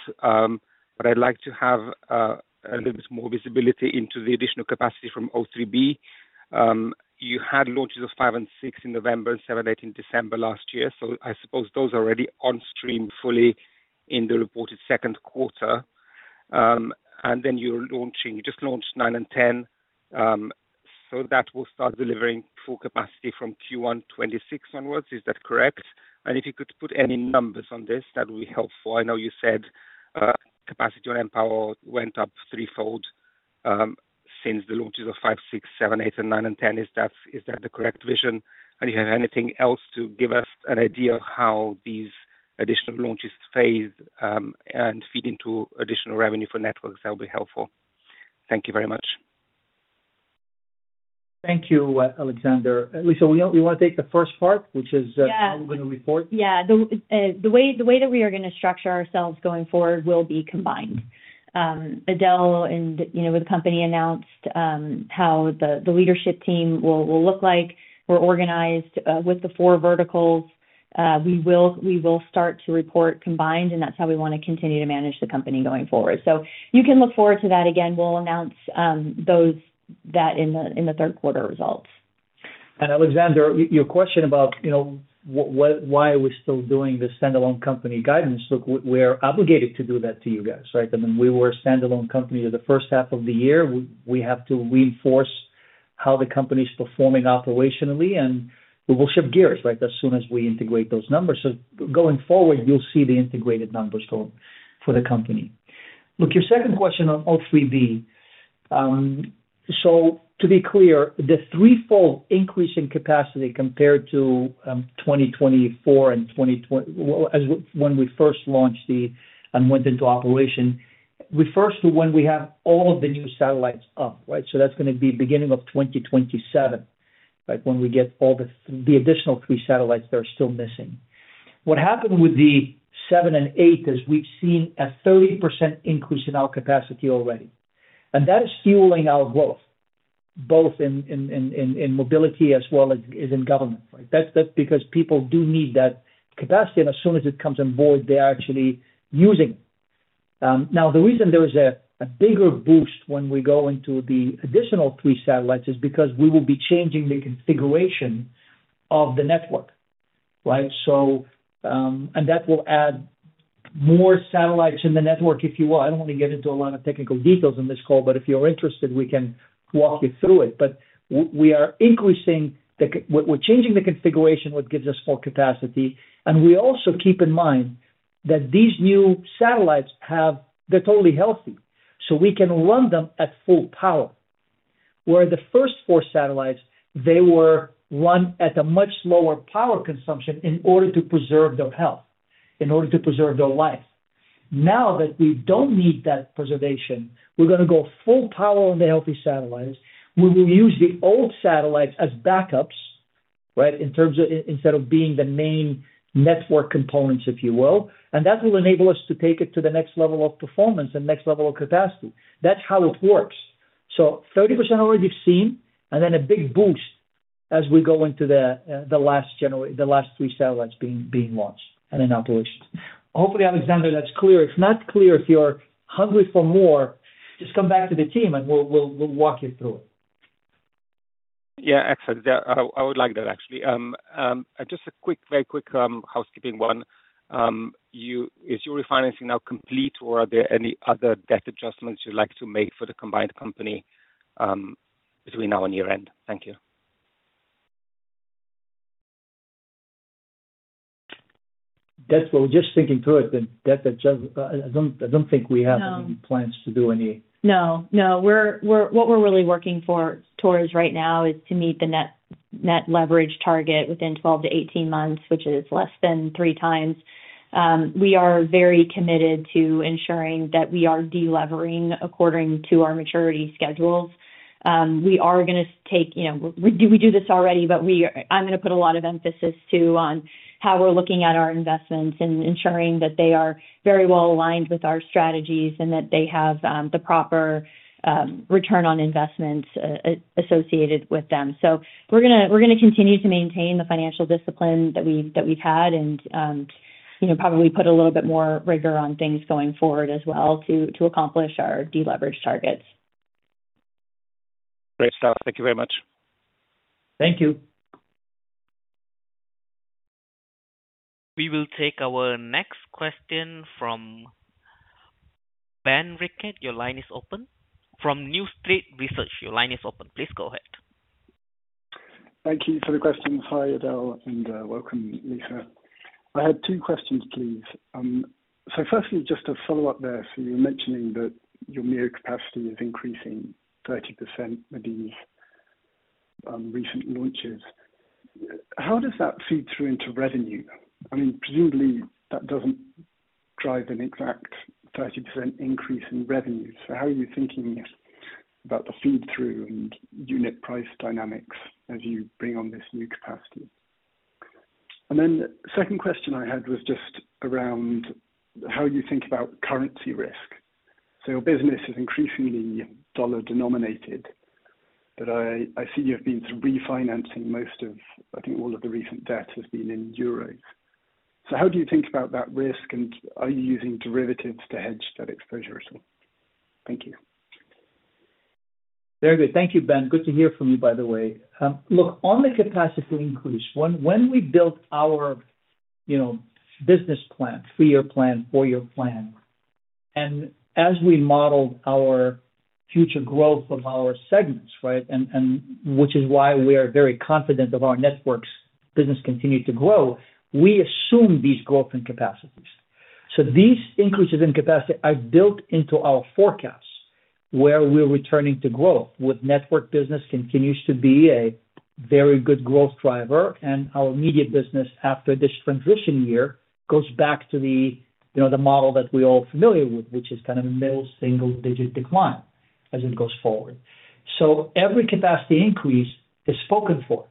but I'd like to have a little bit more visibility into the additional capacity from O3b. You had launches of 5 and 6, 6 in November and 7, 8 in December last year. I suppose those are already on stream fully in the reported second quarter. You're launching, you just launched 9 and 10, so that will start delivering full capacity from Q1 2026 onwards, is that correct? If you could put any numbers on this, that would be helpful. I know you said capacity on mPOWER went up threefold since the launches of 5, 6, 7, 8, and 9 and 10. Is that the correct vision? If you have anything else to give us an idea of how these additional launches phase and feed into additional revenue for networks, that will be helpful. Thank you very much. Thank you, Alexander. Lisa, we want to take the first part, which is going to report? Yeah. The way that we are going to structure ourselves going forward will be combined. Adel and you know, with the company announced how the leadership team will look like, we're organized with the four verticals. We will start to report combined, and that's how we want to continue to manage the company going forward. You can look forward to that again, we'll announce those in the third quarter results. Alexander, your question about why are we still doing the standalone company guidance? Look, we are obligated to do that to you guys, right? I mean, we were a standalone company in the first half of the year. We have to reinforce how the company's performing operationally, and we will shift gears right as soon as we integrate those numbers. Going forward, you'll see the integrated numbers for the company. Your second question on O3b. To be clear, the threefold increase in capacity compared to 2024 and 2020, as when we first launched and went into operation, refers to when we have all of the new satellites up. That's going to be beginning of 2027. Right. When we get all the additional three satellites that are still missing, what happened with the 7 and 8 is we've seen a 30% increase in our capacity already, and that is fueling our growth both in mobility as well as in government. That's because people do need that capacity, and as soon as it comes on board, they are actually using it. The reason there is a bigger boost when we go into the additional three satellites is because we will be changing the configuration of the network. That will add more satellites in the network if you want. I don't want to get into a lot of technical details in this call, but if you're interested, we can walk you through it. We are increasing, we're changing the configuration, which gives us more capacity. We also keep in mind that these new satellites are totally healthy, so we can run them at full power where the first four satellites, they were run at a much lower power consumption in order to preserve their health, in order to preserve their lives. Now that we don't need that preservation, we're going to go full power on the healthy satellites. We will use the old satellites as backups, instead of being the main network components, if you will. That will enable us to take it to the next level of performance and next level of capacity. That's how it works. 30% already seen, and then a big boost as we go into the last three satellites being launched. Hopefully, Alexander, that's clear. If not clear if you're hungry for more, just come back to the team and we'll walk you through it. Yeah, excellent. I would like that actually. Just a quick, very quick housekeeping one. Is your refinancing now complete, or are there any other debt adjustments you'd like to make for the combined company between now and year end? Thank you. That's what we're just thinking through. I don't think we have any plans to do any. No, we're. What we're really working towards right now is to meet the net leverage target within 12-18 months, which is less than 3x. We are very committed to ensuring that we are deleveraging according to our maturity schedules. We are going to take, you know, we do this already, but I'm going to put a lot of emphasis too on how we're looking at our investments and ensuring that they are very well aligned with our strategies and that they have the proper return on investments associated with them. We're going to continue to maintain the financial discipline that we've had, and you know, probably put a little bit more rigor on things going forward as well to accomplish our deleverage targets. Great [color], thank you very much. Thank you. We will take our next question from Ben Rickett. Your line is open. From New Street Research, your line is open. Please go ahead. Thank you for the questions. Hi Adel and welcome. Lisa, I had two questions please. Firstly, just to follow up there, you were mentioning that your MEO capacity is increasing 30% with these recent launches. How does that feed through into revenue? I mean, presumably that doesn't drive an exact 30% increase in revenue. How are you thinking about the feed through and unit price dynamics as you bring on this new capacity? The second question I had was just around how you think about currency risk. Your business is increasingly dollar denominated, but I see you've been refinancing most of, I think all of the recent debt has been in euros. How do you think about that risk and are you using derivatives to hedge that exposure at all? Thank you. Very good, thank you, Ben. Good to hear from you. By the way, look on the capacity increase when we built our, you know business plan, three-year plan, four-year plan and as we modeled our future growth of our segments, right. Which is why we are very confident of our networks business continuing to grow. We assume these growth in capacities. These increases in capacity are built into our forecasts, where we're returning to growth with networks business continuing to be a very good growth driver, and our media business after this transition year goes back to the, you know. The model that we are all familiar with, which is kind of a middle single digit decline as it goes forward. Every capacity increase is spoken for,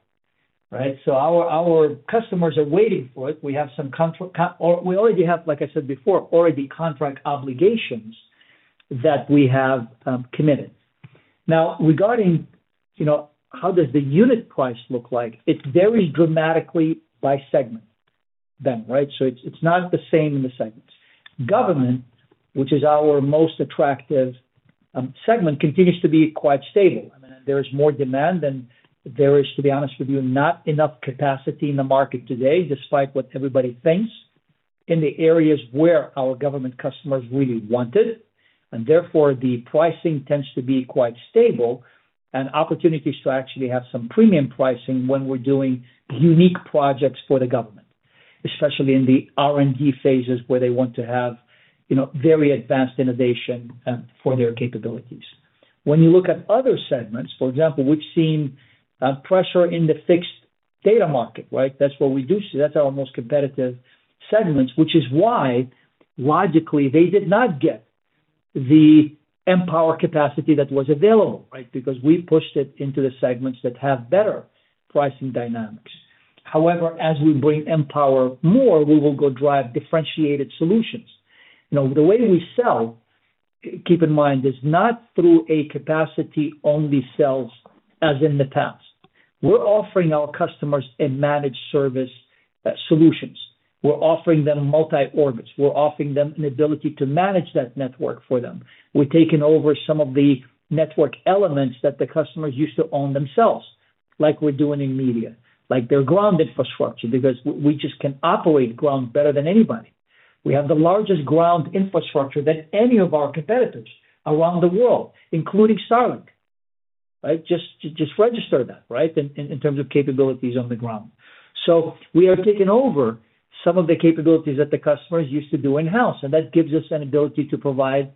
right? Our customers are waiting for it. We have some, or we already have, like I said before, already contracted contract obligations that we have committed. Now, regarding, you know, how does the unit price look like? It varies dramatically by segment, then. Right. It's not the same in the segments. Government, which is our most attractive segment, continues to be quite stable. There is more demand than there is, to be honest with you, not enough capacity in the market today, despite what everybody thinks, in the areas where our government customers really want it, and therefore the pricing tends to be quite stable and opportunities to actually have some premium pricing. When we're doing unique projects for the government, especially in the R&D phases where they want to have very advanced innovation for their capabilities. When you look at other segments, for example, we've seen pressure in the fixed data market, right? That's what we do see, that's our most competitive segments, which is why logically they did not get the mPOWER capacity that was available. Right. Because we pushed it into the segments that have better pricing dynamics. However, as we bring mPOWER more, we will go drive differentiated solutions. The way we sell, keep in mind. It is not through a capacity-only sales as in the past. We're offering our customers managed service solutions. We're offering them multi-orbit, we're offering them an ability to manage that network for them. We're taking over some of the network elements that the customers used to own themselves, like we're doing in media, like their ground infrastructure because we just can operate ground better than anybody. We have the largest ground infrastructure than any of our competitors around the world, including Starlink. Right. Just register that. Right. In terms of capabilities on the ground. We are taking over some of the capabilities that the customers used to do in house give us an ability to provide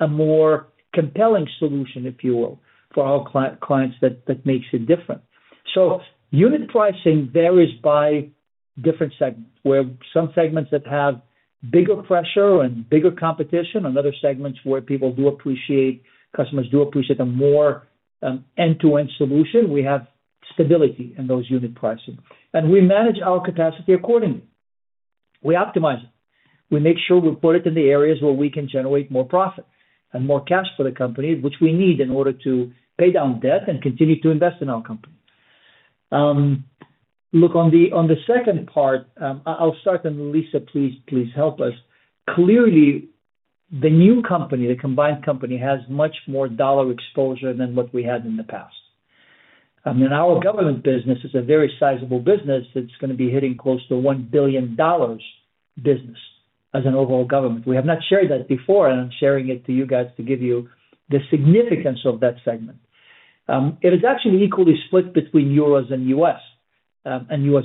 a more compelling solution, if you will for our clients, that makes it different. Unit pricing varies by different segments, where some segments have bigger pressure in bigger competition and other segments where customers do appreciate a more end-to-end solution, we have stability in those unit pricing, and we manage our capacity accordingly. We optimize it. We make sure we put it in the areas where we can generate more profit and more cash for the company, which we need in order to pay down debt and continue to invest in our company. Look on the second part, I'll start and Lisa, please help us. Clearly, the new company, the combined company has much more dollar exposure than what we had in the past. Our government business is a very sizable business. It's going to be hitting close to $1 billion business as an overall government. We have not shared that before, and I'm sharing it to you guys to give you the significance of that segment. It is actually equally split between euros and U.S.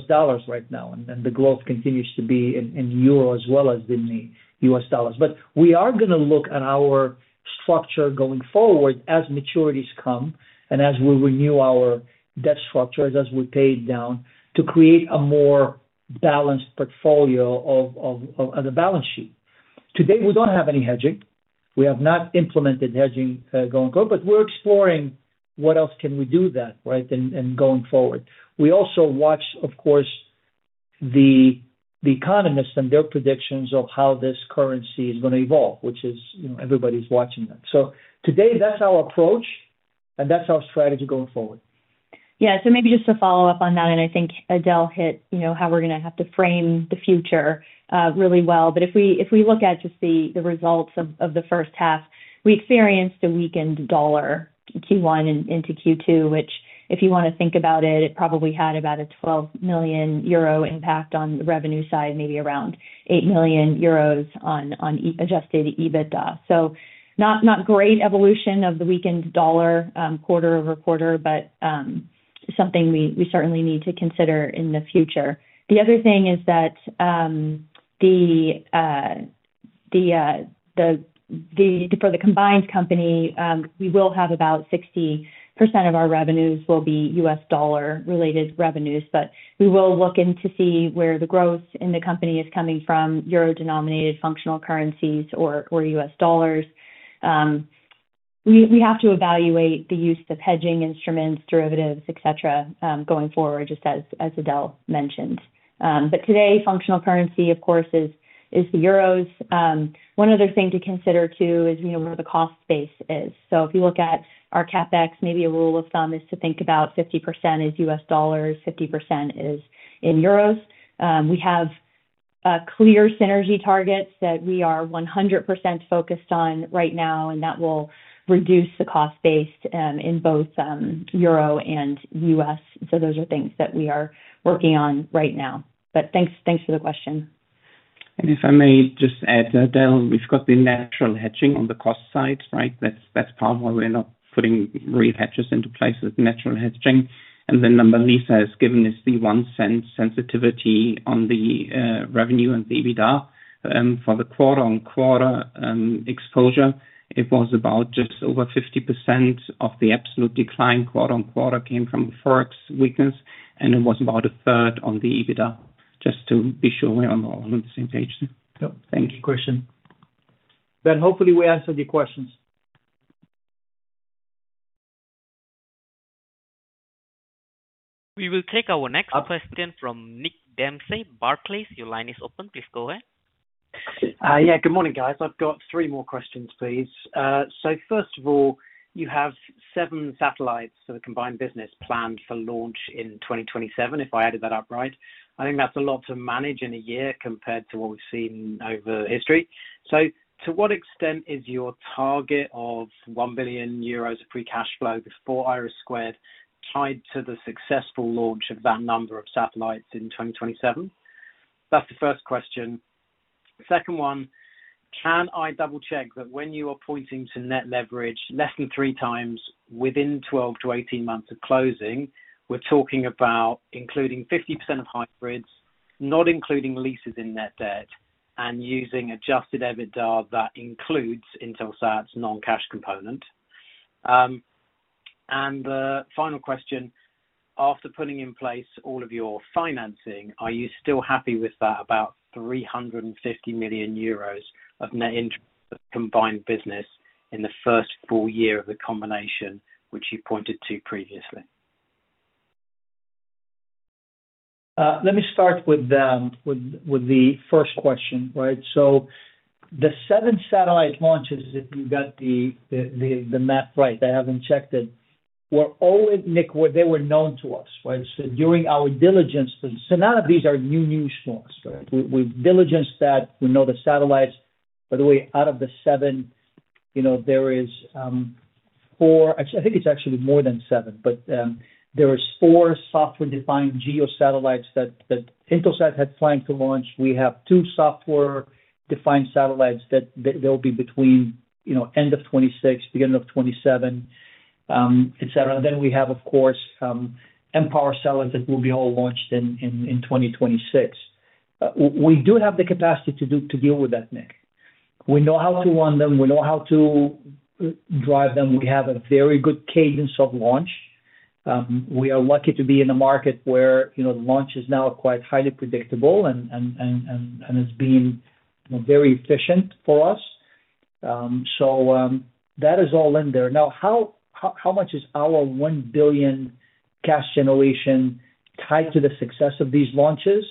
dollars right now. The growth continues to be in euro as well as in the U.S. dollars. We are going to look at our structure going forward as maturities come and as we renew our debt structures as we pay it down to create a more balanced portfolio of the balance sheet. Today we don't have any hedging. We have not implemented hedging going forward. We're exploring what else can we do that. Right. Going forward, we also watch of course, the economists and their predictions of how this currency is going to evolve, which is, everybody's watching that. Today that's our approach and that's our strategy going forward. Yeah. Maybe just to follow up on that, and I think Adel hit, you know, how we're going to have to frame the future really well. If we look at just the results of the first half, we experienced a weakened Q1 and into Q2, which, if you want to think about it, probably had about a 12 million euro impact on the revenue side, maybe around 8 million euros on adjusted EBITDA. Not great evolution of the weakened dollar quarter-over-quarter, but something we certainly need to consider in the future. The other thing is that for the combined company, we will have about 60% of our revenues as U.S. dollar-related revenues. We will look in to see where the growth in the company is coming from, euro-denominated functional currencies or U.S. dollars. We have to evaluate the use of hedging instruments, derivatives, et cetera, going forward, just as Adel mentioned. Today, functional currency, of course, is the euro. One other thing to consider too is where the cost base is. If you look at our capex, maybe a rule of thumb is to think about 50% is U.S. dollars, 50% is in euros. We have clear synergy targets that we are 100% focused on right now, and that will reduce the cost base in both euro and U.S. Those are things that we are working on right now. Thanks for the question. We have the natural hedging on the cost side, right? That's part of why we're not putting real hedges into place with natural hedging. The number Lisa has given us, the $0.01 sensitivity on the revenue and the EBITDA for the quarter-on-quarter exposure, it was about just over 50% of the absolute decline quarter-on-quarter that came from the Forex weakness, and it was about a third on the EBITDA. Just to be sure we're on the same page. Thank you, Christian. Ben, hopefully we answered your questions. We will take our next question from Nick Dempsey, Barclays. Your line is open. Please go ahead. Good morning, guys. I've got three more questions, please. First of all, you have seven satellites for the combined business planned for launch in 2027. If I added that up right, I think that's a lot to manage in a year compared to what we've seen over history. To what extent is your target of 1 billion euros of free cash flow before IRIS² tied to the successful launch of that number of satellites in 2027? That's the first question. Second one, can I double check that when you are pointing to net leverage less than 3x within 12-18 months of closing, we're talking about including 50% of hybrids, not including leases in net debt, and using adjusted EBITDA that includes Intelsat's non-cash component? The final question, after putting in place all of your financing, are you still happy with that about 350 million euros of net interest for the combined business in the first full-year of the combination, which you pointed to previously? Let me start with the first question. Right. The seven satellite launches, if you got the map right, I haven't checked it, were always, Nick, where they were known to us. During our diligence, these are not new news for us. We've diligenced that, we know the satellites. By the way, out of the seven, you know, there is four, I think it's actually more than seven, but there are four software-defined GEO satellites that Intelsat had planned to launch. We have two software-defined satellites that will be between, you know, end of 2026, beginning of 2027, etc. We have, of course, mPOWER satellites that will be all launched in 2026. We do have the capacity to deal with that, Nick. We know how to run them, we know how to drive them. We have a very good cadence of launch. We are lucky to be in a market where, you know, launch is now quite highly predictable, and it's been very efficient for us. That is all in there. Now, how much is our $1 billion cash generation tied to the success of these launches?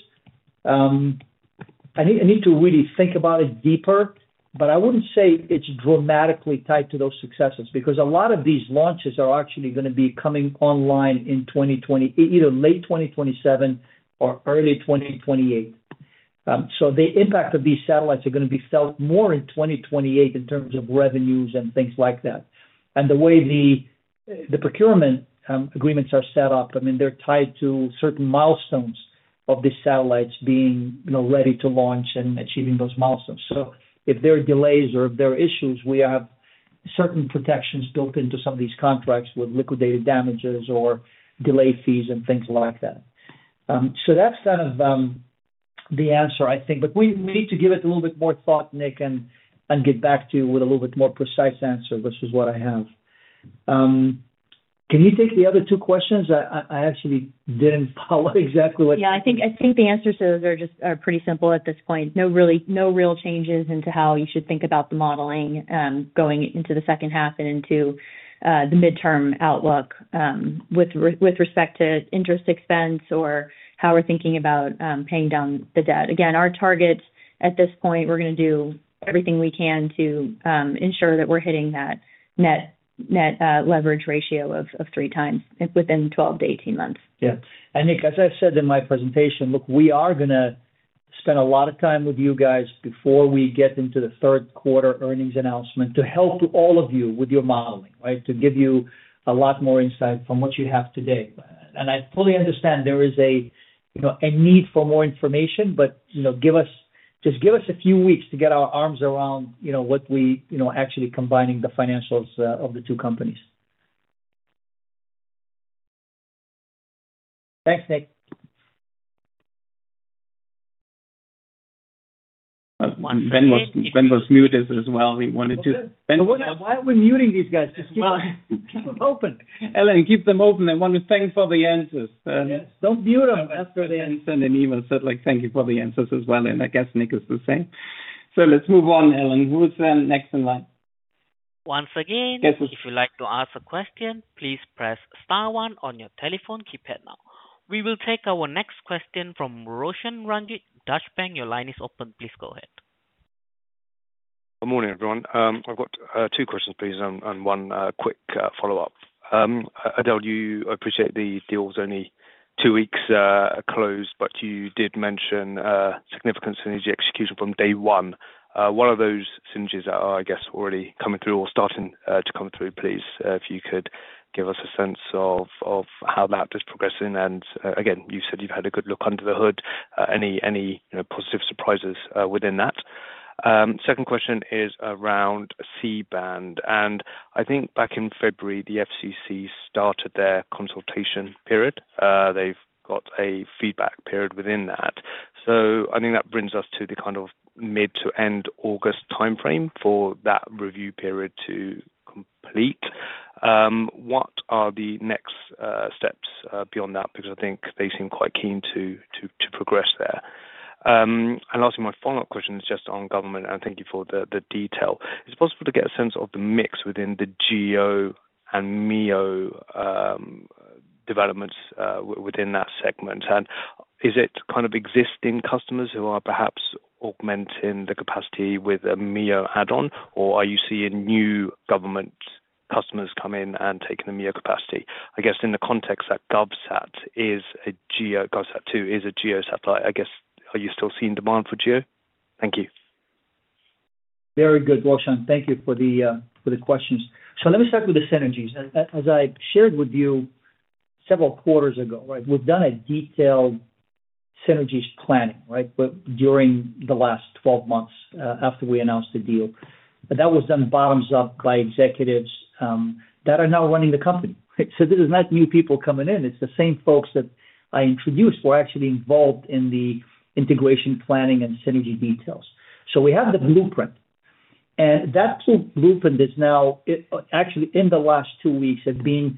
I need to really think about it deeper, but I wouldn't say it's dramatically tied to those successes because a lot of these launches are actually going to be coming online in late 2027 or early 2028. The impact of these satellites is going to be felt more in 2028 in terms of revenues and things like that. The way the procurement agreements are set up, I mean they're tied to certain milestones of the satellites being ready to launch and achieving those milestones. If there are delays or if there are issues, we have certain protections built into some of these contracts with liquidated damages or delay fees and things like that. That's kind of the answer, I think. We need to give it a little bit more thought, Nick, and get back to you with a little bit more precise answer versus what I have. Can you take the other two questions? I actually didn't follow exactly what. Yeah, I think the answers to those are just, are pretty simple at this point. No, really no real changes into how you should think about the modeling going into the second half and into the mid-term outlook with respect to interest expense or how we're thinking about paying down the debt. Again, our target at this point, we're going to do everything we can to ensure that we're hitting that net leverage ratio of 3x within 12-18 months. Yeah, Nick, as I said in my presentation, look, we are going to spend a lot of time with you guys before we get into the third quarter earnings announcement to help all of you with your modeling, to give you a lot more insight from what you have today. I fully understand there is a need for more information, but just give us a few weeks to get our arms around what we actually are combining, the financials of the two companies. Thanks Nick. Ben was muted as well. He wanted to... Why are we muting these guys. Just keep them open. Alan, keep them open. I want to thank you for the answers. Don't mute them. After they send an email. Thank you for the answers as well, and I guess Nick is the same. Let's move on. Alan, who is then next in line. Once again, if you would like to ask a question, please press star one on your telephone keypad. Now we will take our next question from Roshan Ranjit, Deutsche Bank. Your line is open, please go ahead. Good morning everyone. I've got two questions please and one quick follow up. Adel, you appreciate the deal's only two weeks closed but you did mention significant synergy execution from Day 1. What are those synergies that are, I guess, already coming through or starting to come through? Please, if you could give us a sense of how that is progressing. You said you've had a good look under the hood. Any positive surprises within that? Second question is around C-band and I think back in February the FCC started their consultation period. They've got a feedback period within that. I think that brings us to the kind of mid to end August time frame for that review period to complete. What are the next steps beyond that? I think they seem quite keen to progress there. Lastly, my follow up question is just on government and thank you for the detail. Is it possible to get a sense of the mix within the GEO and MEO developments within that segment and is it kind of existing customers who are perhaps augmenting the capacity with a MEO add on or are you seeing new government customers come in and take the MEO capacity? I guess in the context that GovSat is a GEO, GovSat-2 is a GEO satellite, I guess. Are you still seeing demand for GEO? Thank you. Very good, Roshan, thank you for the questions. Let me start with the synergies. As I shared with you several quarters ago, we've done a detailed synergies planning during the last 12 months after we announced the deal, that was done bottoms up by executives that are now running the company. This is not new people coming in. It's the same folks that I introduced were actually involved in the integration, planning, and synergy details. We have the blueprint and that blueprint is now actually in the last two weeks have been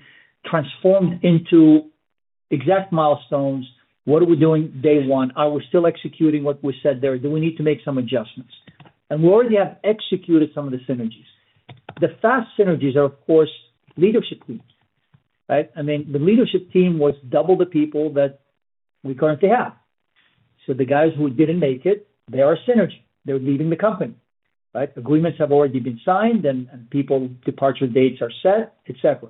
transformed into exact milestones. What are we doing day one? Are we still executing what we said there? Do we need to make some adjustments? We already have executed some of the synergies. The fast synergies are, of course, leadership teams. I mean, the leadership team was double the people that we currently have. The guys who didn't make it, they are synergy, they're leaving the company. Agreements have already been signed and people departure dates are set, et cetera.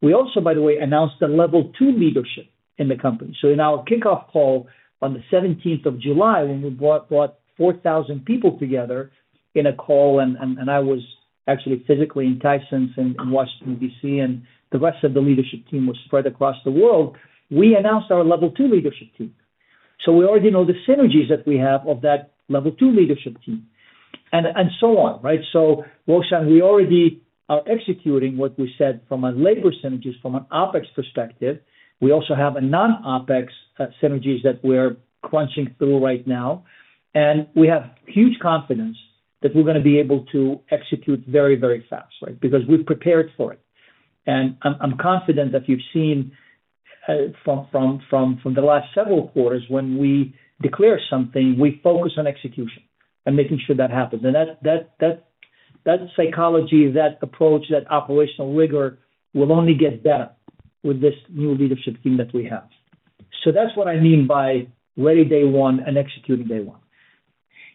We also, by the way, announced a Level 2 leadership in the company. In our kickoff poll on 17th of July, when we brought 4,000 people together in a call and I was actually physically in Tysons in Washington, D.C. and the rest of the leadership team was spread across the world, we announced our Level 2 leadership team. We already know the synergies that we have of that Level 2 leadership team and so on. Right. We already are executing what we said from a labor synergies from an OpEx perspective. We also have non-OpEx synergies that we're crunching through right now. We have huge confidence that we're going to be able to execute very, very fast, right, because we've prepared for it. I'm confident that you've seen from the last several quarters when we declare something, we focus on execution and making sure that happens. That psychology, that approach, that operational rigorous will only get better with this new leadership team that we have. That's what I mean by ready Day 1 and executing Day 1.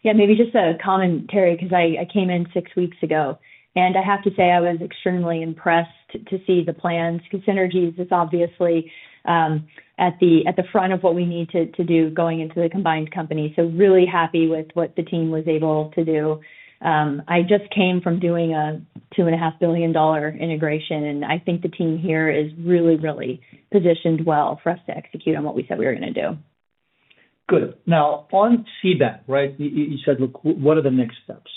Yeah, maybe just a comment, Terry, because I came in six weeks ago and I have to say I was extremely impressed to see the plans because synergies is obviously at the front of what we need to do going into the combined company. I'm really happy with what the team was able to do. I just came from doing a $2.5 billion integration and I think the team here is really, really positioned well for us to execute on what we said we were going to do. Good. Now on CBAC, you said, what are the next steps?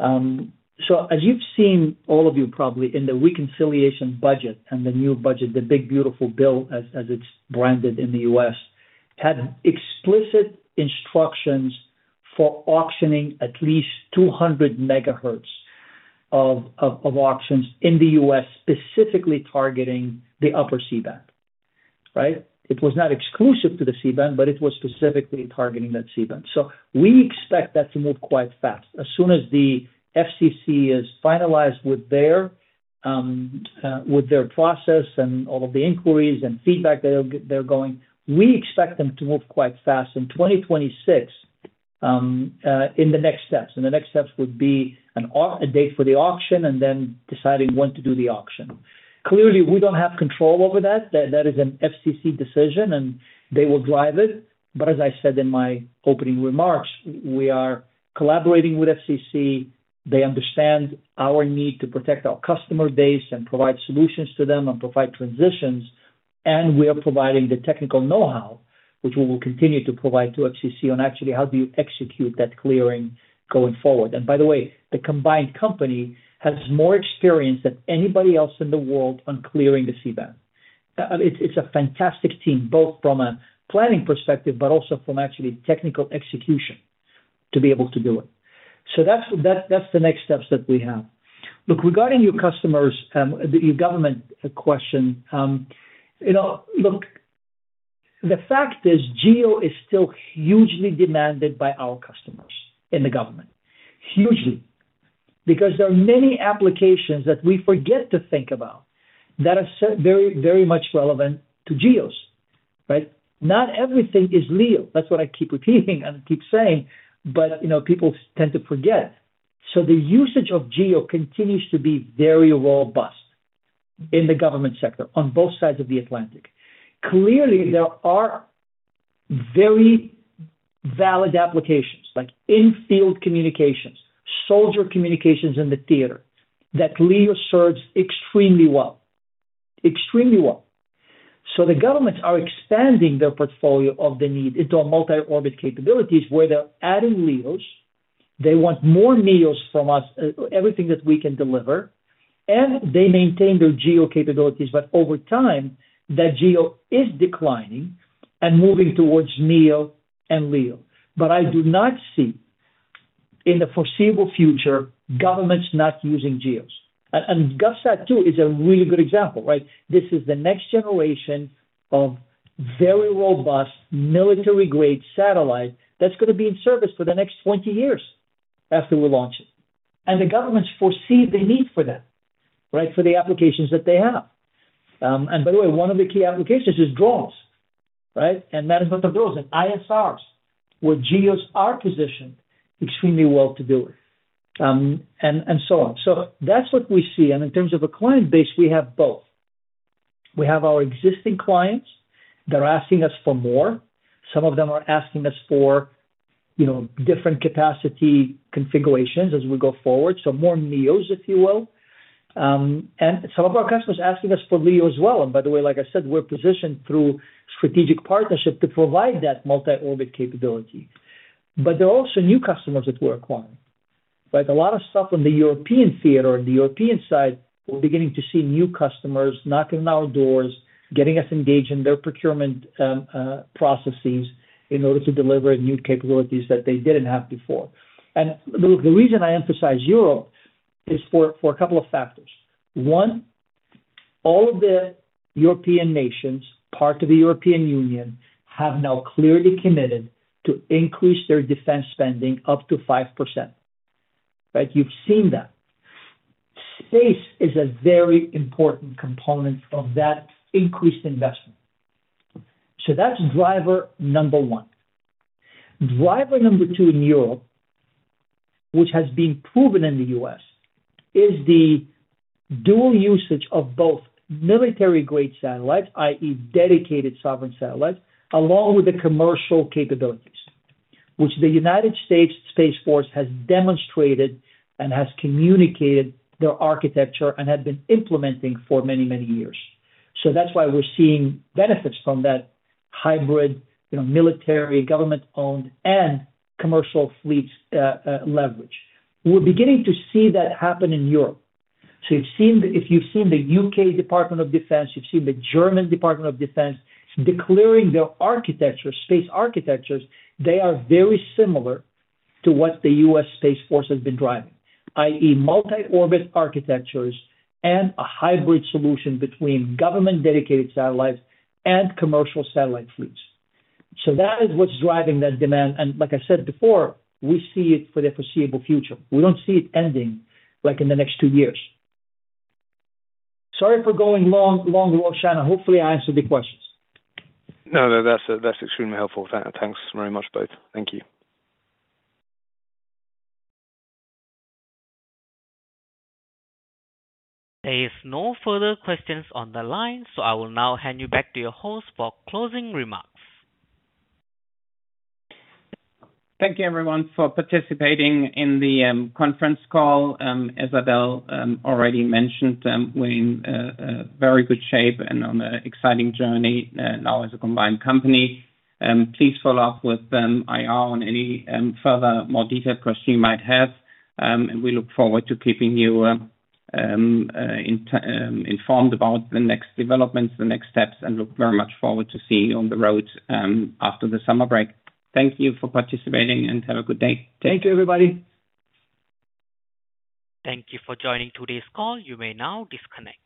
As you've seen, all of you, probably in the reconciliation budget and the new budget, the big beautiful bill as it's branded in the U.S. had explained implicit instructions for auctioning at least 200 MHz of auctions in the U.S., specifically targeting the upper C-band. It was not exclusive to the C-band, but it was specifically targeting that C-band. We expect that to move quite fast. As soon as the FCC is finalized with their process and all of the inquiries and feedback that they're going to, we expect them to move quite fast in 2026, in the next steps. The next steps would be a date for the auction and then deciding when to do the auction. Clearly, we do not have control over that. That is an FCC decision, and they will drive it. As I said in my opening remarks, we are collaborating with the FCC. They understand our need to protect our customer base and provide solutions to them and provide transitions. We are providing the technical know-how, which we will continue to provide to the FCC on actually how you execute that clearing going forward. By the way, the combined company has more experience than anybody else in the world on clearing the C-band. It is a fantastic team, both from a planning perspective and from a technical execution to be able to do it. That's the next steps that we have. Look, regarding your customers, your government question. Look, the fact is GEO is still hugely demanded by our customers in the government, hugely, because there are many applications that we forget to think about that are very, very much relevant to GEOs. Right? Not everything is real, that's what I people tend to forget. The usage of GEO continues to be very robust in the government sector on both sides of the Atlantic. Clearly, there are very valid applications like in field communications, soldier communications in the theater that LEO serves extremely well. Extremely well. The governments are expanding their portfolio of the need into a multi-orbit capability where they're adding LEOs. They want more MEOs from us, everything that we can deliver, and they maintain their GEO capabilities. Over time, that GEO is declining and moving towards MEO and LEO. I do not see in the foreseeable future governments not using GEOs. GovSat too is a really good example, right? This is the next generation of very robust military-grade satellite that's going to be in service for the next 20 years after we launch it, the governments foresee the need for that, right? For the applications that they have. By the way, one of the key applications is drones, right? That is not the drones and ISRs, where GEOs are positioned extremely well to do it and so on. That's what we see. In terms of a client base, we have both. We have our existing clients that are asking us for more. Some of them are asking us for different capacity configurations as we go forward, so more MEOs, if you will, and some of our customers asking us for LEO as well. By the way, like I said, we're positioned through strategic partnership to provide that multi-orbit capability. There are also new customers that we're acquiring. A lot of stuff on the European theater, the European side, we're beginning to see new customers knocking on our doors, getting us engaged in their procurement processes in order to deliver new capabilities that they didn't have before. The reason I emphasize Europe is for a couple of factors. One, all of the European nations, part of the European Union, have now clearly committed to increase their defense spending up to 5%. You have seen that. Space is a very important component of that increased investment. That's driver number one. Driver number two in Europe, which has been proven in the U.S., is the dual usage of both military grade satellites, that is, dedicated sovereign satellites, along with the commercial capabilities which the United States Space Force has demonstrated and has communicated their architecture and had been implementing for many, many years. That's why we're seeing benefits from that hybrid military, government owned and commercial fleet leverage. We're beginning to see that happen in Europe. If you've seen the U.K. Department of Defense, you've seen the German Department of Defense declaring their architecture, space architectures, they are very similar to what the U.S. Space Force has been driving, that is multi-orbit architectures and a hybrid solution between government dedicated satellites and commercial satellite fleets. That is what's driving that demand. Like I said before, we see it for the foreseeable future. We don't see it ending in the next two years. Sorry for going long, Roshan. Hopefully I answered the questions. No, that's extremely helpful. Thanks very much both. Thank you. There are no further questions on the line. I will now hand you back to your host for closing remarks. Thank you everyone for participating in the conference call. As I already mentioned, we're in very good shape and on an exciting journey now as a combined company. Please follow up with IR on any further, more detailed question you might have, and we look forward to keeping you informed about the next developments, the next steps, and look very much forward to seeing you on the road after the summer break. Thank you for participating and have a good day. Thank you, everybody. Thank you for joining today's call. You may now disconnect.